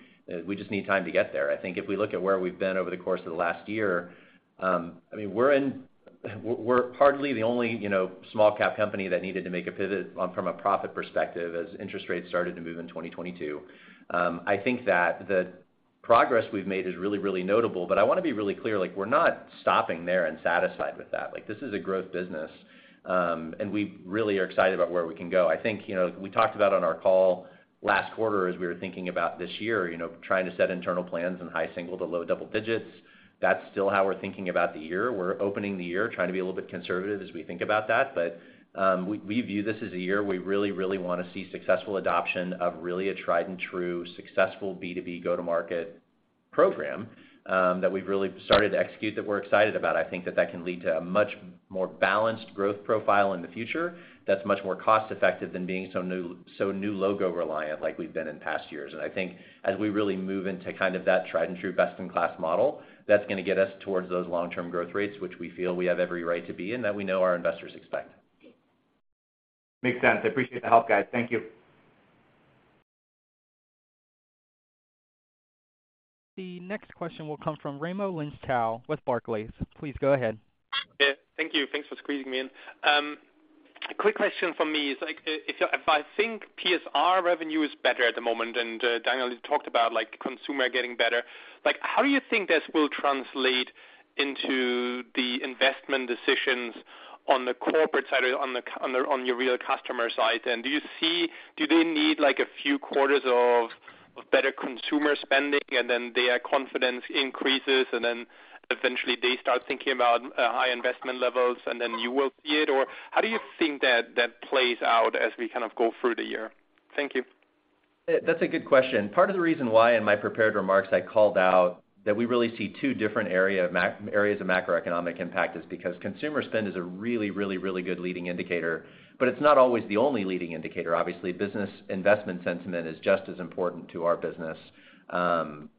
We just need time to get there. I think if we look at where we've been over the course of the last year, I mean, we're hardly the only small-cap company that needed to make a pivot from a profit perspective as interest rates started to move in 2022. I think that the progress we've made is really, really notable. But I want to be really clear. We're not stopping there and satisfied with that. This is a growth business, and we really are excited about where we can go. I think we talked about, on our call last quarter, as we were thinking about this year, trying to set internal plans in high single to low double digits. That's still how we're thinking about the year. We're opening the year, trying to be a little bit conservative as we think about that. But we view this as a year where we really, really want to see successful adoption of really a tried-and-true, successful B2B go-to-market program that we've really started to execute that we're excited about. I think that that can lead to a much more balanced growth profile in the future that's much more cost-effective than being so new logo-reliant like we've been in past years. I think as we really move into kind of that tried-and-true, best-in-class model, that's going to get us towards those long-term growth rates, which we feel we have every right to be in that we know our investors expect. Makes sense. I appreciate the help, guys. Thank you. The next question will come from Raimo Lenschow with Barclays. Please go ahead. Thank you. Thanks for squeezing me in. Quick question from me is, if I think PSR revenue is better at the moment and Daniel, you talked about consumer getting better, how do you think this will translate into the investment decisions on the corporate side or on your real customer side? And do you see do they need a few quarters of better consumer spending, and then their confidence increases, and then eventually, they start thinking about high investment levels, and then you will see it? Or how do you think that plays out as we kind of go through the year? Thank you. That's a good question. Part of the reason why, in my prepared remarks, I called out that we really see two different areas of macroeconomic impact is because consumer spend is a really, really, really good leading indicator. But it's not always the only leading indicator, obviously. Business investment sentiment is just as important to our business.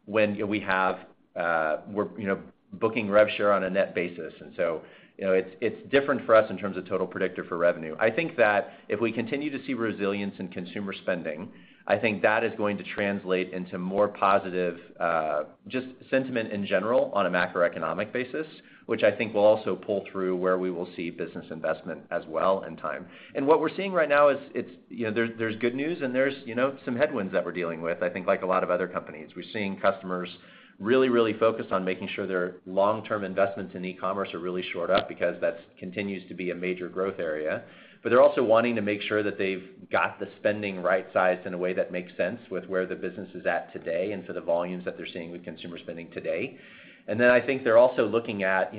When we have we're booking rev share on a net basis. And so it's different for us in terms of total predictor for revenue. I think that if we continue to see resilience in consumer spending, I think that is going to translate into more positive just sentiment in general on a macroeconomic basis, which I think will also pull through where we will see business investment as well in time. And what we're seeing right now is there's good news, and there's some headwinds that we're dealing with, I think, like a lot of other companies. We're seeing customers really, really focused on making sure their long-term investments in e-commerce are really shored up because that continues to be a major growth area. But they're also wanting to make sure that they've got the spending right-sized in a way that makes sense with where the business is at today and for the volumes that they're seeing with consumer spending today. And then I think they're also looking at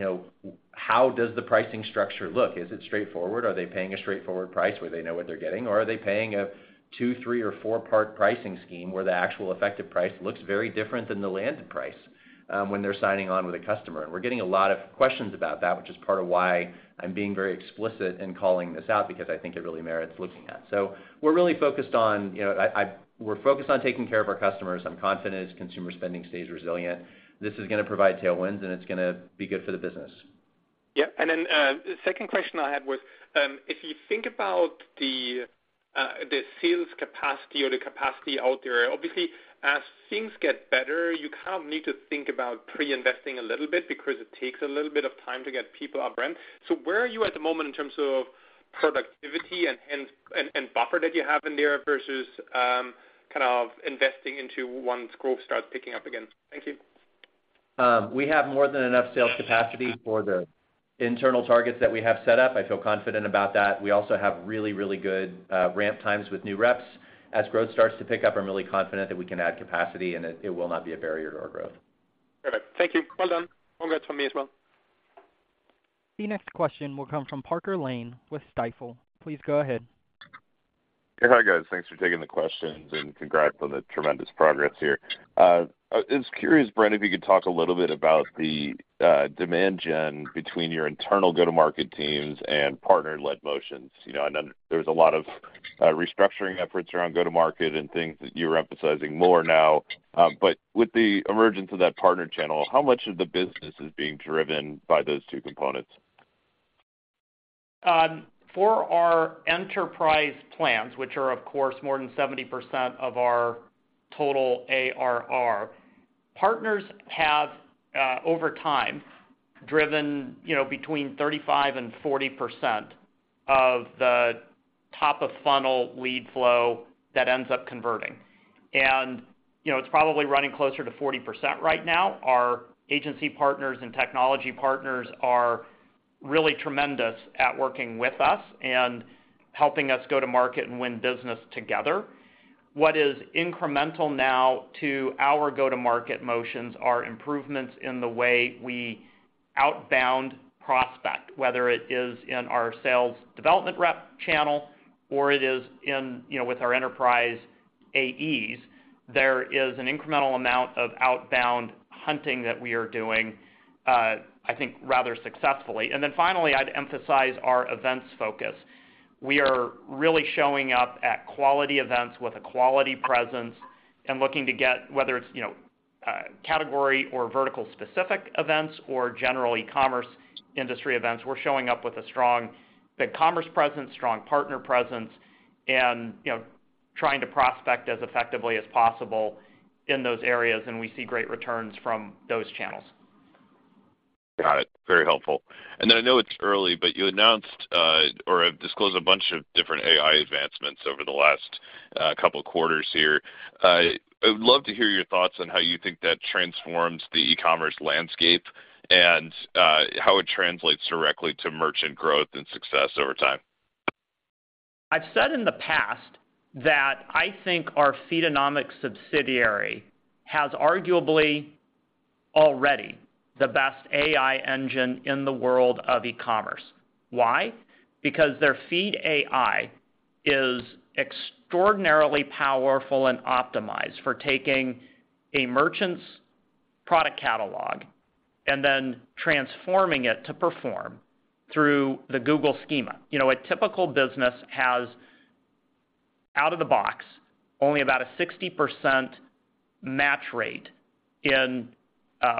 how does the pricing structure look? Is it straightforward? Are they paying a straightforward price where they know what they're getting? Or are they paying a two, three, or four-part pricing scheme where the actual effective price looks very different than the landed price when they're signing on with a customer? We're getting a lot of questions about that, which is part of why I'm being very explicit in calling this out because I think it really merits looking at. So we're really focused on taking care of our customers. I'm confident consumer spending stays resilient. This is going to provide tailwinds, and it's going to be good for the business. Yeah. Then the second question I had was, if you think about the sales capacity or the capacity out there, obviously, as things get better, you kind of need to think about pre-investing a little bit because it takes a little bit of time to get people onboarded. So where are you at the moment in terms of productivity and buffer that you have in there versus kind of investing into once growth starts picking up again? Thank you. We have more than enough sales capacity for the internal targets that we have set up. I feel confident about that. We also have really, really good ramp times with new reps. As growth starts to pick up, I'm really confident that we can add capacity, and it will not be a barrier to our growth. Perfect. Thank you. Well done. Congrats from me as well. The next question will come from Parker Lane with Stifel. Please go ahead. Hey, hi, guys. Thanks for taking the questions, and congrats on the tremendous progress here. I was curious, Brent, if you could talk a little bit about the demand gen between your internal go-to-market teams and partner-led motions. I know there was a lot of restructuring efforts around go-to-market and things that you were emphasizing more now. But with the emergence of that partner channel, how much of the business is being driven by those two components? For our enterprise plans, which are, of course, more than 70% of our total ARR, partners have, over time, driven between 35%-40% of the top-of-funnel lead flow that ends up converting. And it's probably running closer to 40% right now. Our agency partners and technology partners are really tremendous at working with us and helping us go to market and win business together. What is incremental now to our go-to-market motions are improvements in the way we outbound prospect, whether it is in our sales development rep channel or it is with our enterprise AEs. There is an incremental amount of outbound hunting that we are doing, I think, rather successfully. And then finally, I'd emphasize our events focus. We are really showing up at quality events with a quality presence and looking to get whether it's category or vertical-specific events or general e-commerce industry events, we're showing up with a strong BigCommerce presence, strong partner presence, and trying to prospect as effectively as possible in those areas. And we see great returns from those channels. Got it. Very helpful. And then I know it's early, but you announced or have disclosed a bunch of different AI advancements over the last couple of quarters here. I would love to hear your thoughts on how you think that transforms the e-commerce landscape and how it translates directly to merchant growth and success over time? I've said in the past that I think our Feedonomics subsidiary has arguably already the best AI engine in the world of e-commerce. Why? Because their FeedAI is extraordinarily powerful and optimized for taking a merchant's product catalog and then transforming it to perform through the Google schema. A typical business has, out of the box, only about a 60% match rate in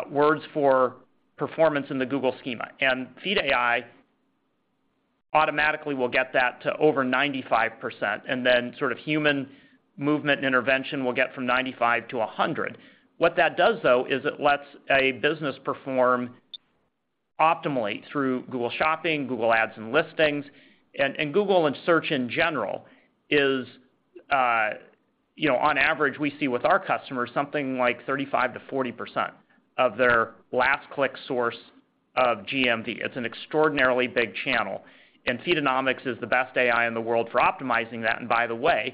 words for performance in the Google schema. And FeedAI automatically will get that to over 95%. And then sort of human movement intervention will get from 95% to 100%. What that does, though, is it lets a business perform optimally through Google Shopping, Google Ads, and listings. And Google and search in general is, on average, we see with our customers something like 35%-40% of their last-click source of GMV. It's an extraordinarily big channel. And Feedonomics is the best AI in the world for optimizing that. And by the way,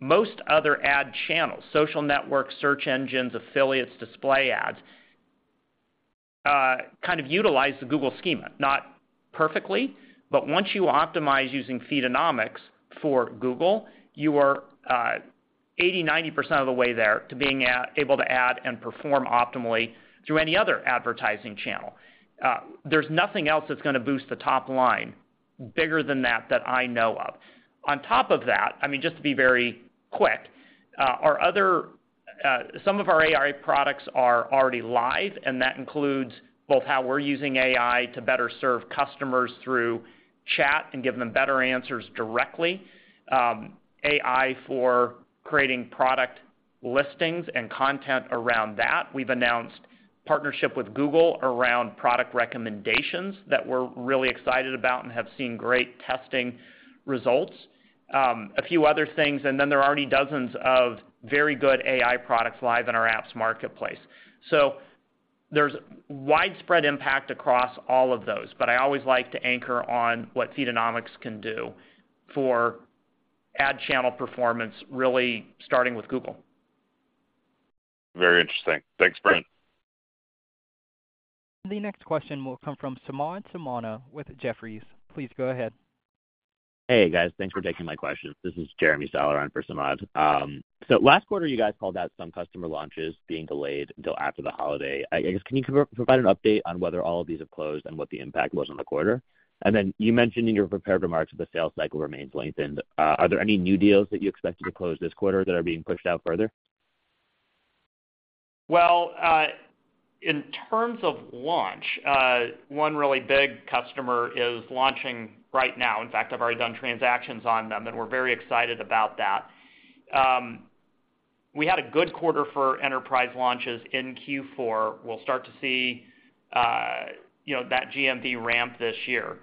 most other ad channels—social networks, search engines, affiliates, display ads—kind of utilize the Google schema, not perfectly. But once you optimize using Feedonomics for Google, you are 80%-90% of the way there to being able to add and perform optimally through any other advertising channel. There's nothing else that's going to boost the top line bigger than that that I know of. On top of that, I mean, just to be very quick, some of our AI products are already live. And that includes both how we're using AI to better serve customers through chat and give them better answers directly, AI for creating product listings and content around that. We've announced partnership with Google around product recommendations that we're really excited about and have seen great testing results, a few other things. And then there are already dozens of very good AI products live in our apps marketplace. So there's widespread impact across all of those. But I always like to anchor on what Feedonomics can do for ad channel performance, really starting with Google. Very interesting. Thanks, Brent. The next question will come from Samad Samana with Jefferies. Please go ahead. Hey, guys. Thanks for taking my question. This is Jeremy Sahler on for Samad. So last quarter, you guys called out some customer launches being delayed until after the holiday. I guess, can you provide an update on whether all of these have closed and what the impact was on the quarter? And then you mentioned in your prepared remarks that the sales cycle remains lengthened. Are there any new deals that you expect to close this quarter that are being pushed out further? Well, in terms of launch, one really big customer is launching right now. In fact, I've already done transactions on them, and we're very excited about that. We had a good quarter for enterprise launches in Q4. We'll start to see that GMV ramp this year.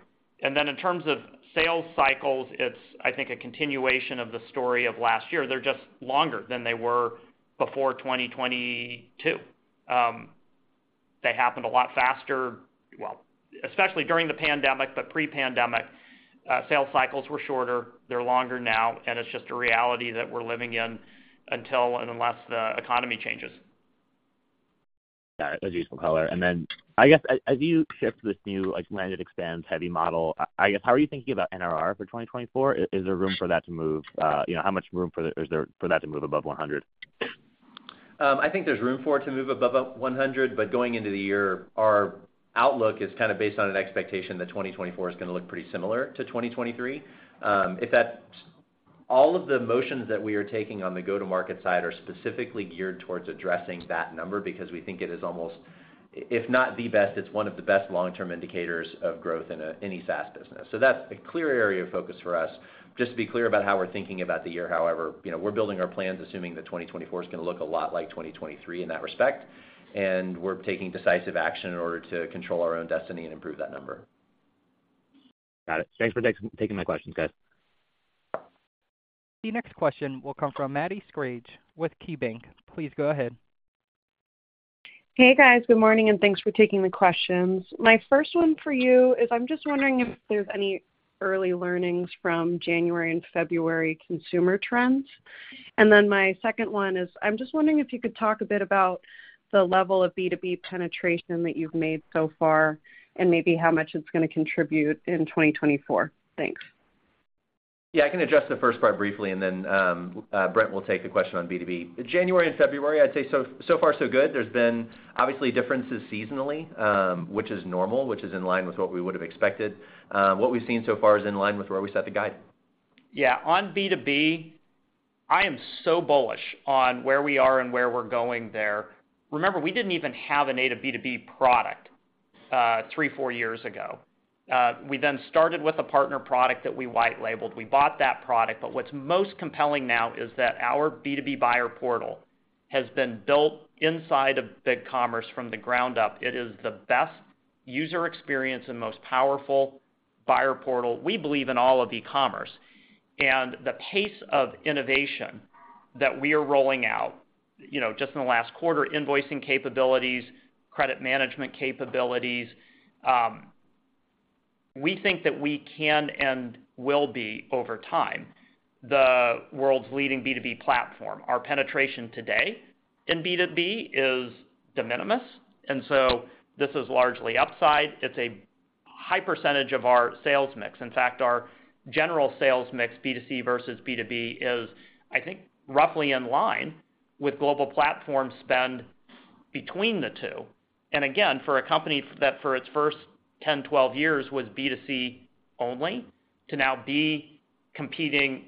And then in terms of sales cycles, it's, I think, a continuation of the story of last year. They're just longer than they were before 2022. They happened a lot faster, well, especially during the pandemic, but pre-pandemic, sales cycles were shorter. They're longer now. And it's just a reality that we're living in until and unless the economy changes. Got it. That's a useful color. And then I guess, as you shift to this new land-and-expand-heavy model, I guess, how are you thinking about NRR for 2024? Is there room for that to move? How much room is there for that to move above 100? I think there's room for it to move above 100. But going into the year, our outlook is kind of based on an expectation that 2024 is going to look pretty similar to 2023. All of the motions that we are taking on the go-to-market side are specifically geared towards addressing that number because we think it is almost, if not the best, it's one of the best long-term indicators of growth in any SaaS business. So that's a clear area of focus for us. Just to be clear about how we're thinking about the year, however, we're building our plans, assuming that 2024 is going to look a lot like 2023 in that respect. And we're taking decisive action in order to control our own destiny and improve that number. Got it. Thanks for taking my questions, guys. The next question will come from Maddie Schrage with KeyBanc. Please go ahead. Hey, guys. Good morning. Thanks for taking the questions. My first one for you is, I'm just wondering if there's any early learnings from January and February consumer trends? Then my second one is, I'm just wondering if you could talk a bit about the level of B2B penetration that you've made so far and maybe how much it's going to contribute in 2024? Thanks. Yeah. I can address the first part briefly, and then Brent will take the question on B2B. January and February, I'd say, so far, so good. There's been, obviously, differences seasonally, which is normal, which is in line with what we would have expected. What we've seen so far is in line with where we set the guide. Yeah. On B2B, I am so bullish on where we are and where we're going there. Remember, we didn't even have a B2B product three, four years ago. We then started with a partner product that we white-labeled. We bought that product. But what's most compelling now is that our B2B Buyer Portal has been built inside of BigCommerce from the ground up. It is the best user experience and most powerful buyer portal, we believe, in all of e-commerce. And the pace of innovation that we are rolling out just in the last quarter—invoicing capabilities, credit management capabilities—we think that we can and will be over time the world's leading B2B platform. Our penetration today in B2B is de minimis. And so this is largely upside. It's a high percentage of our sales mix. In fact, our general sales mix, B2C versus B2B, is, I think, roughly in line with global platform spend between the two. And again, for a company that, for its first 10, 12 years, was B2C only to now be competing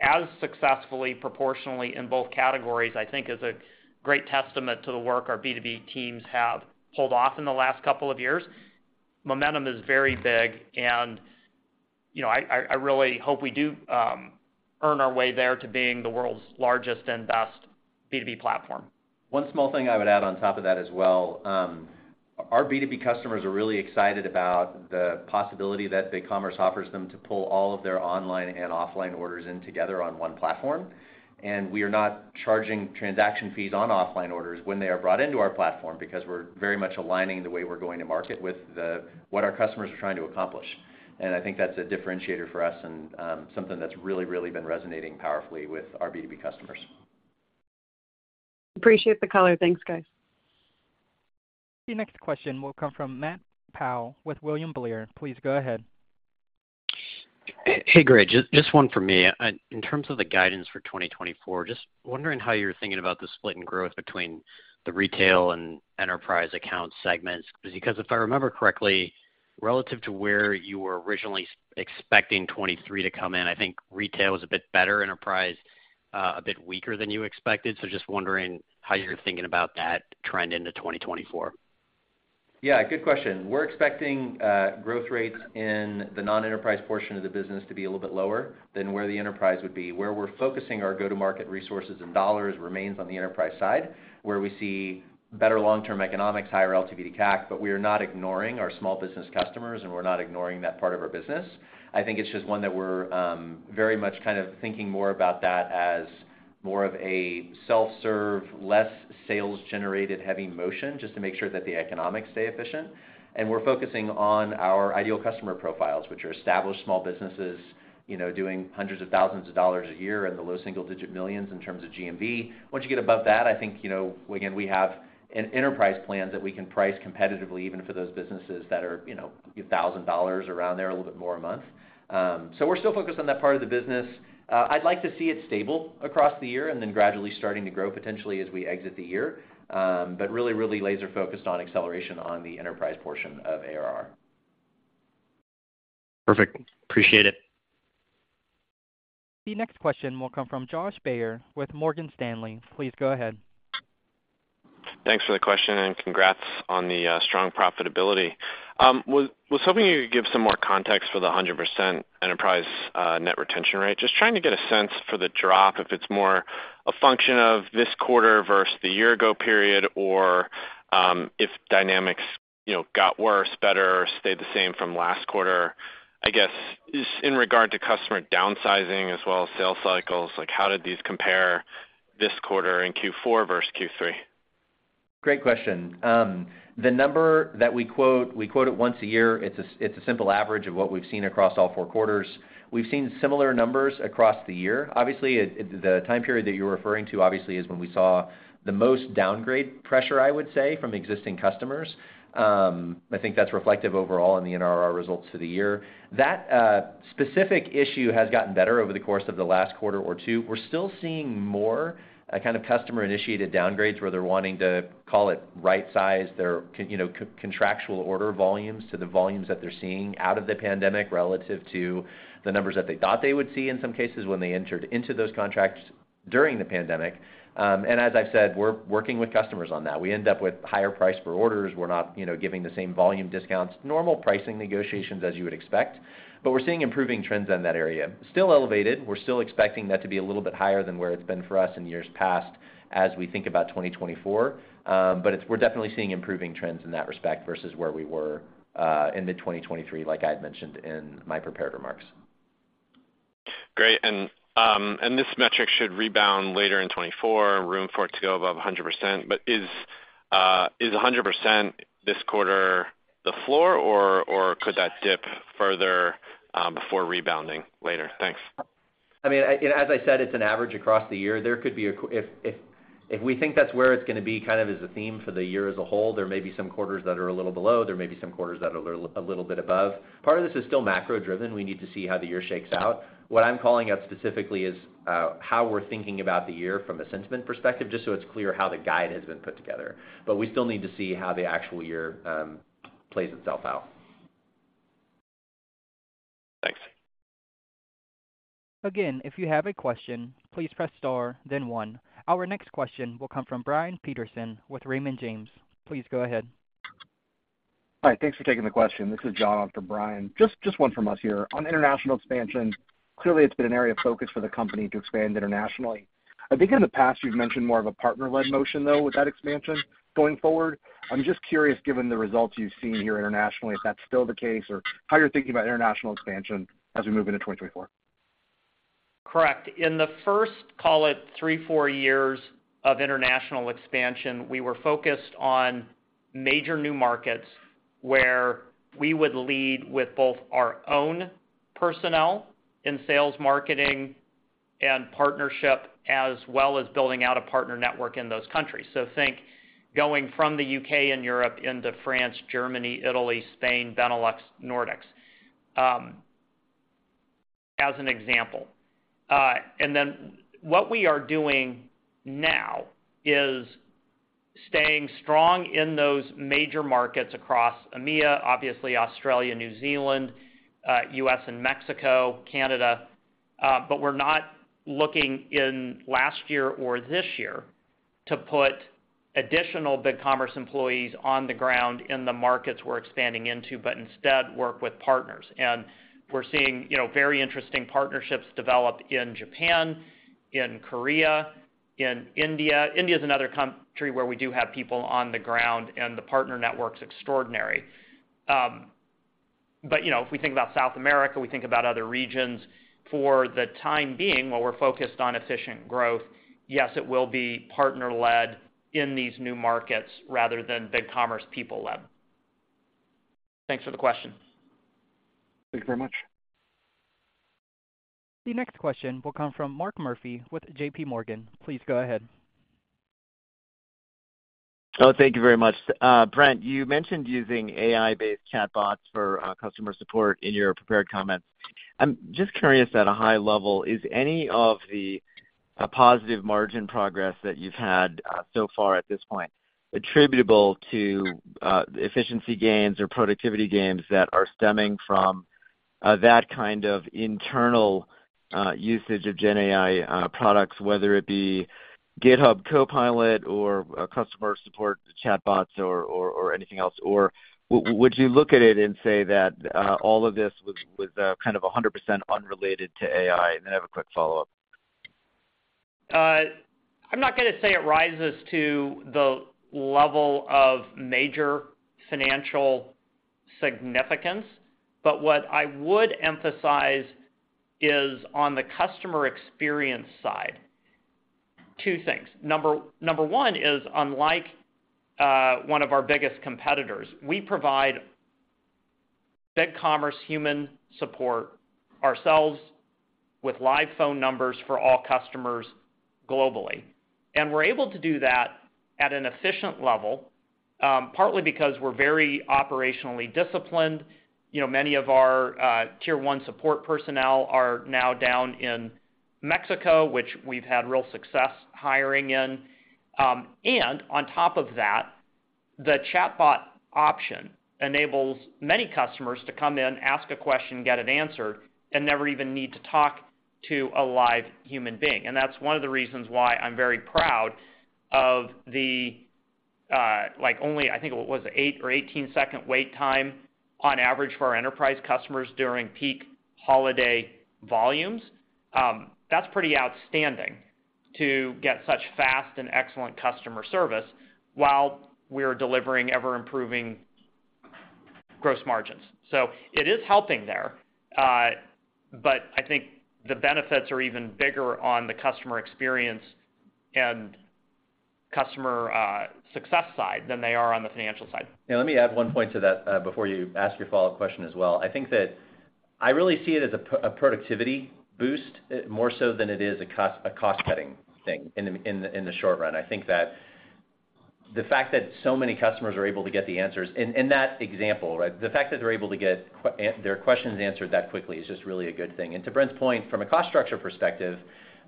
as successfully, proportionally, in both categories, I think is a great testament to the work our B2B teams have pulled off in the last couple of years. Momentum is very big. And I really hope we do earn our way there to being the world's largest and best B2B platform. One small thing I would add on top of that as well. Our B2B customers are really excited about the possibility that BigCommerce offers them to pull all of their online and offline orders in together on one platform. We are not charging transaction fees on offline orders when they are brought into our platform because we're very much aligning the way we're going to market with what our customers are trying to accomplish. I think that's a differentiator for us and something that's really, really been resonating powerfully with our B2B customers. Appreciate the color. Thanks, guys. The next question will come from Matt Pfau with William Blair. Please go ahead. Hey, Greg. Just one from me. In terms of the guidance for 2024, just wondering how you're thinking about the split in growth between the retail and enterprise account segments. Because if I remember correctly, relative to where you were originally expecting 2023 to come in, I think retail was a bit better, enterprise a bit weaker than you expected. So just wondering how you're thinking about that trend into 2024. Yeah. Good question. We're expecting growth rates in the non-enterprise portion of the business to be a little bit lower than where the enterprise would be. Where we're focusing our go-to-market resources and dollars remains on the enterprise side, where we see better long-term economics, higher LTV to CAC. But we are not ignoring our small business customers, and we're not ignoring that part of our business. I think it's just one that we're very much kind of thinking more about that as more of a self-serve, less sales-generated-heavy motion just to make sure that the economics stay efficient. And we're focusing on our ideal customer profiles, which are established small businesses doing hundreds of thousands of dollars a year and the low single-digit millions in terms of GMV. Once you get above that, I think, again, we have enterprise plans that we can price competitively, even for those businesses that are $1,000 around there, a little bit more a month. So we're still focused on that part of the business. I'd like to see it stable across the year and then gradually starting to grow potentially as we exit the year, but really, really laser-focused on acceleration on the enterprise portion of ARR. Perfect. Appreciate it. The next question will come from Josh Baer with Morgan Stanley. Please go ahead. Thanks for the question and congrats on the strong profitability. Was hoping you could give some more context for the 100% enterprise net retention rate, just trying to get a sense for the drop, if it's more a function of this quarter versus the year-ago period or if dynamics got worse, better, or stayed the same from last quarter, I guess, in regard to customer downsizing as well as sales cycles. How did these compare this quarter in Q4 versus Q3? Great question. The number that we quote, we quote it once a year. It's a simple average of what we've seen across all four quarters. We've seen similar numbers across the year. Obviously, the time period that you're referring to, obviously, is when we saw the most downgrade pressure, I would say, from existing customers. I think that's reflective overall in the NRR results for the year. That specific issue has gotten better over the course of the last quarter or two. We're still seeing more kind of customer-initiated downgrades where they're wanting to, call it, right-size their contractual order volumes to the volumes that they're seeing out of the pandemic relative to the numbers that they thought they would see in some cases when they entered into those contracts during the pandemic. And as I've said, we're working with customers on that. We end up with higher prices per order. We're not giving the same volume discounts, normal pricing negotiations as you would expect. But we're seeing improving trends in that area. Still elevated. We're still expecting that to be a little bit higher than where it's been for us in years past as we think about 2024. But we're definitely seeing improving trends in that respect versus where we were in mid-2023, like I had mentioned in my prepared remarks. Great. This metric should rebound later in 2024, room for it to go above 100%. But is 100% this quarter the floor, or could that dip further before rebounding later? Thanks. I mean, as I said, it's an average across the year. There could be a if we think that's where it's going to be kind of as a theme for the year as a whole, there may be some quarters that are a little below. There may be some quarters that are a little bit above. Part of this is still macro-driven. We need to see how the year shakes out. What I'm calling out specifically is how we're thinking about the year from a sentiment perspective, just so it's clear how the guide has been put together. But we still need to see how the actual year plays itself out. Thanks. Again, if you have a question, please press star, then one. Our next question will come from Brian Peterson with Raymond James. Please go ahead. Hi. Thanks for taking the question. This is John on for Brian. Just one from us here. On international expansion, clearly, it's been an area of focus for the company to expand internationally. I think in the past, you've mentioned more of a partner-led motion, though, with that expansion going forward. I'm just curious, given the results you've seen here internationally, if that's still the case or how you're thinking about international expansion as we move into 2024. Correct. In the first, call it, three, four years of international expansion, we were focused on major new markets where we would lead with both our own personnel in sales, marketing, and partnership, as well as building out a partner network in those countries. So think going from the U.K. and Europe into France, Germany, Italy, Spain, Benelux, Nordics, as an example. And then what we are doing now is staying strong in those major markets across EMEA, obviously, Australia, New Zealand, U.S. and Mexico, Canada. But we're not looking in last year or this year to put additional BigCommerce employees on the ground in the markets we're expanding into, but instead work with partners. And we're seeing very interesting partnerships develop in Japan, in Korea, in India. India is another country where we do have people on the ground, and the partner network's extraordinary. But if we think about South America, we think about other regions. For the time being, while we're focused on efficient growth, yes, it will be partner-led in these new markets rather than BigCommerce people-led. Thanks for the question. Thank you very much. The next question will come from Mark Murphy with JPMorgan. Please go ahead. Oh, thank you very much. Brent, you mentioned using AI-based chatbots for customer support in your prepared comments. I'm just curious, at a high level, is any of the positive margin progress that you've had so far at this point attributable to efficiency gains or productivity gains that are stemming from that kind of internal usage of GenAI products, whether it be GitHub Copilot or customer support chatbots or anything else? Or would you look at it and say that all of this was kind of 100% unrelated to AI? And then have a quick follow-up. I'm not going to say it rises to the level of major financial significance. But what I would emphasize is on the customer experience side, two things. Number one is, unlike one of our biggest competitors, we provide BigCommerce human support ourselves with live phone numbers for all customers globally. And we're able to do that at an efficient level, partly because we're very operationally disciplined. Many of our tier-one support personnel are now down in Mexico, which we've had real success hiring in. And on top of that, the chatbot option enables many customers to come in, ask a question, get it answered, and never even need to talk to a live human being. And that's one of the reasons why I'm very proud of the only, I think it was, eight or 18-second wait time on average for our enterprise customers during peak holiday volumes. That's pretty outstanding to get such fast and excellent customer service while we're delivering ever-improving gross margins. So it is helping there. But I think the benefits are even bigger on the customer experience and customer success side than they are on the financial side. Yeah. Let me add one point to that before you ask your follow-up question as well. I think that I really see it as a productivity boost more so than it is a cost-cutting thing in the short run. I think that the fact that so many customers are able to get the answers in that example, right, the fact that they're able to get their questions answered that quickly is just really a good thing. And to Brent's point, from a cost structure perspective,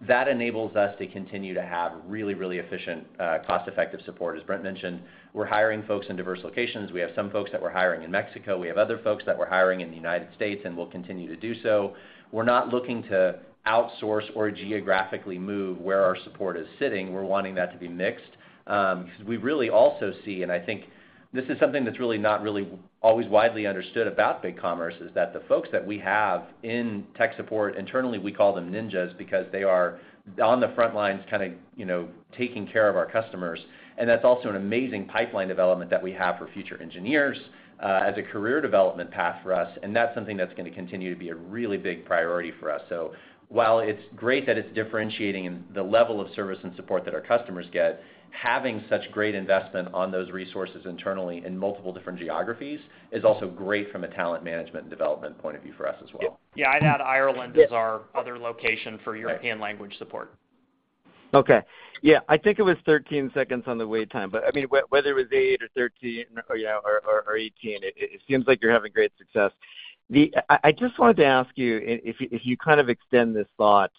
that enables us to continue to have really, really efficient, cost-effective support. As Brent mentioned, we're hiring folks in diverse locations. We have some folks that we're hiring in Mexico. We have other folks that we're hiring in the United States, and we'll continue to do so. We're not looking to outsource or geographically move where our support is sitting. We're wanting that to be mixed. Because we really also see and I think this is something that's really not really always widely understood about BigCommerce, is that the folks that we have in tech support internally, we call them ninjas because they are on the front lines kind of taking care of our customers. And that's also an amazing pipeline development that we have for future engineers as a career development path for us. And that's something that's going to continue to be a really big priority for us. So while it's great that it's differentiating in the level of service and support that our customers get, having such great investment on those resources internally in multiple different geographies is also great from a talent management and development point of view for us as well. Yeah. I'd add Ireland is our other location for European language support. Okay. Yeah. I think it was 13 seconds on the wait time. But I mean, whether it was eight or 13 or 18, it seems like you're having great success. I just wanted to ask you, if you kind of extend this thought,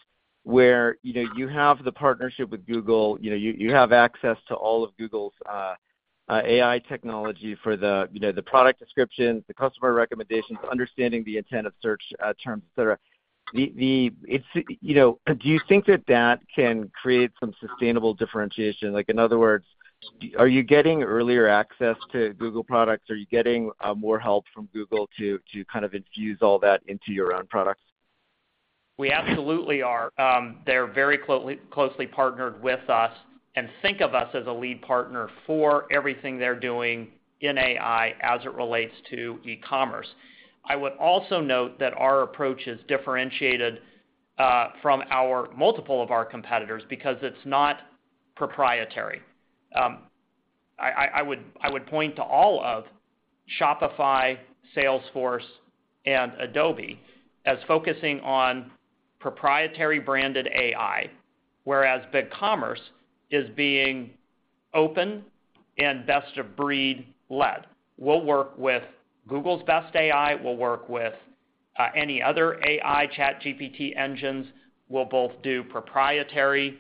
where you have the partnership with Google, you have access to all of Google's AI technology for the product descriptions, the customer recommendations, understanding the intent of search terms, etc. Do you think that that can create some sustainable differentiation? In other words, are you getting earlier access to Google products? Are you getting more help from Google to kind of infuse all that into your own products? We absolutely are. They're very closely partnered with us and think of us as a lead partner for everything they're doing in AI as it relates to e-commerce. I would also note that our approach is differentiated from multiple of our competitors because it's not proprietary. I would point to all of Shopify, Salesforce, and Adobe as focusing on proprietary-branded AI, whereas BigCommerce is being open and best-of-breed led. We'll work with Google's best AI. We'll work with any other AI ChatGPT engines. We'll both do proprietary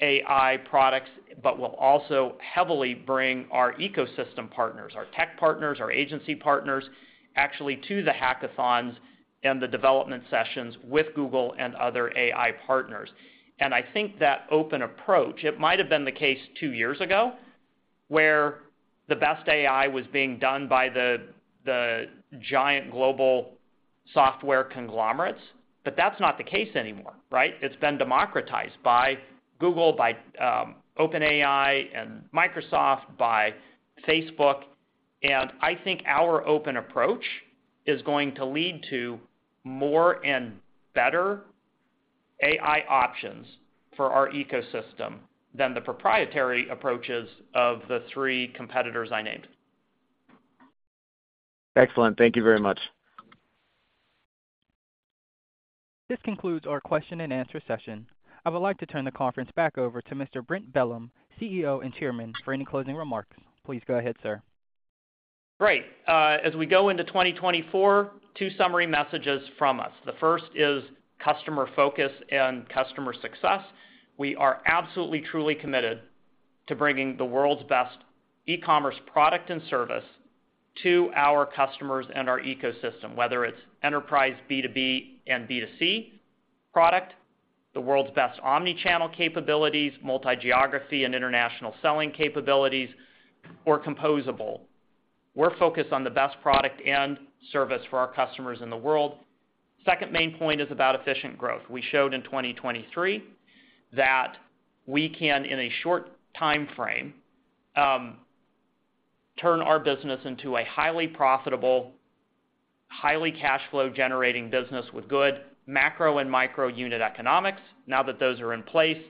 AI products. But we'll also heavily bring our ecosystem partners, our tech partners, our agency partners, actually to the hackathons and the development sessions with Google and other AI partners. And I think that open approach, it might have been the case two years ago where the best AI was being done by the giant global software conglomerates. But that's not the case anymore, right? It's been democratized by Google, by OpenAI and Microsoft, by Facebook. And I think our open approach is going to lead to more and better AI options for our ecosystem than the proprietary approaches of the three competitors I named. Excellent. Thank you very much. This concludes our question-and-answer session. I would like to turn the conference back over to Mr. Brent Bellm, CEO and Chairman, for any closing remarks. Please go ahead, sir. Great. As we go into 2024, two summary messages from us. The first is customer focus and customer success. We are absolutely, truly committed to bringing the world's best e-commerce product and service to our customers and our ecosystem, whether it's enterprise B2B and B2C product, the world's best omnichannel capabilities, multi-geography and international selling capabilities, or composable. We're focused on the best product and service for our customers in the world. Second main point is about efficient growth. We showed in 2023 that we can, in a short time frame, turn our business into a highly profitable, highly cash flow-generating business with good macro and micro unit economics. Now that those are in place,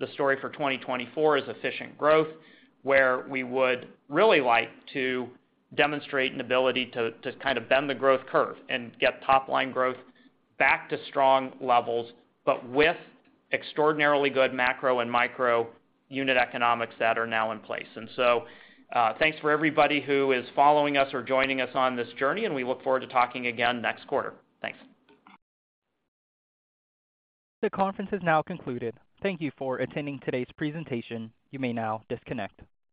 the story for 2024 is efficient growth, where we would really like to demonstrate an ability to kind of bend the growth curve and get top-line growth back to strong levels, but with extraordinarily good macro and micro unit economics that are now in place. So thanks for everybody who is following us or joining us on this journey. We look forward to talking again next quarter. Thanks. The conference is now concluded. Thank you for attending today's presentation. You may now disconnect.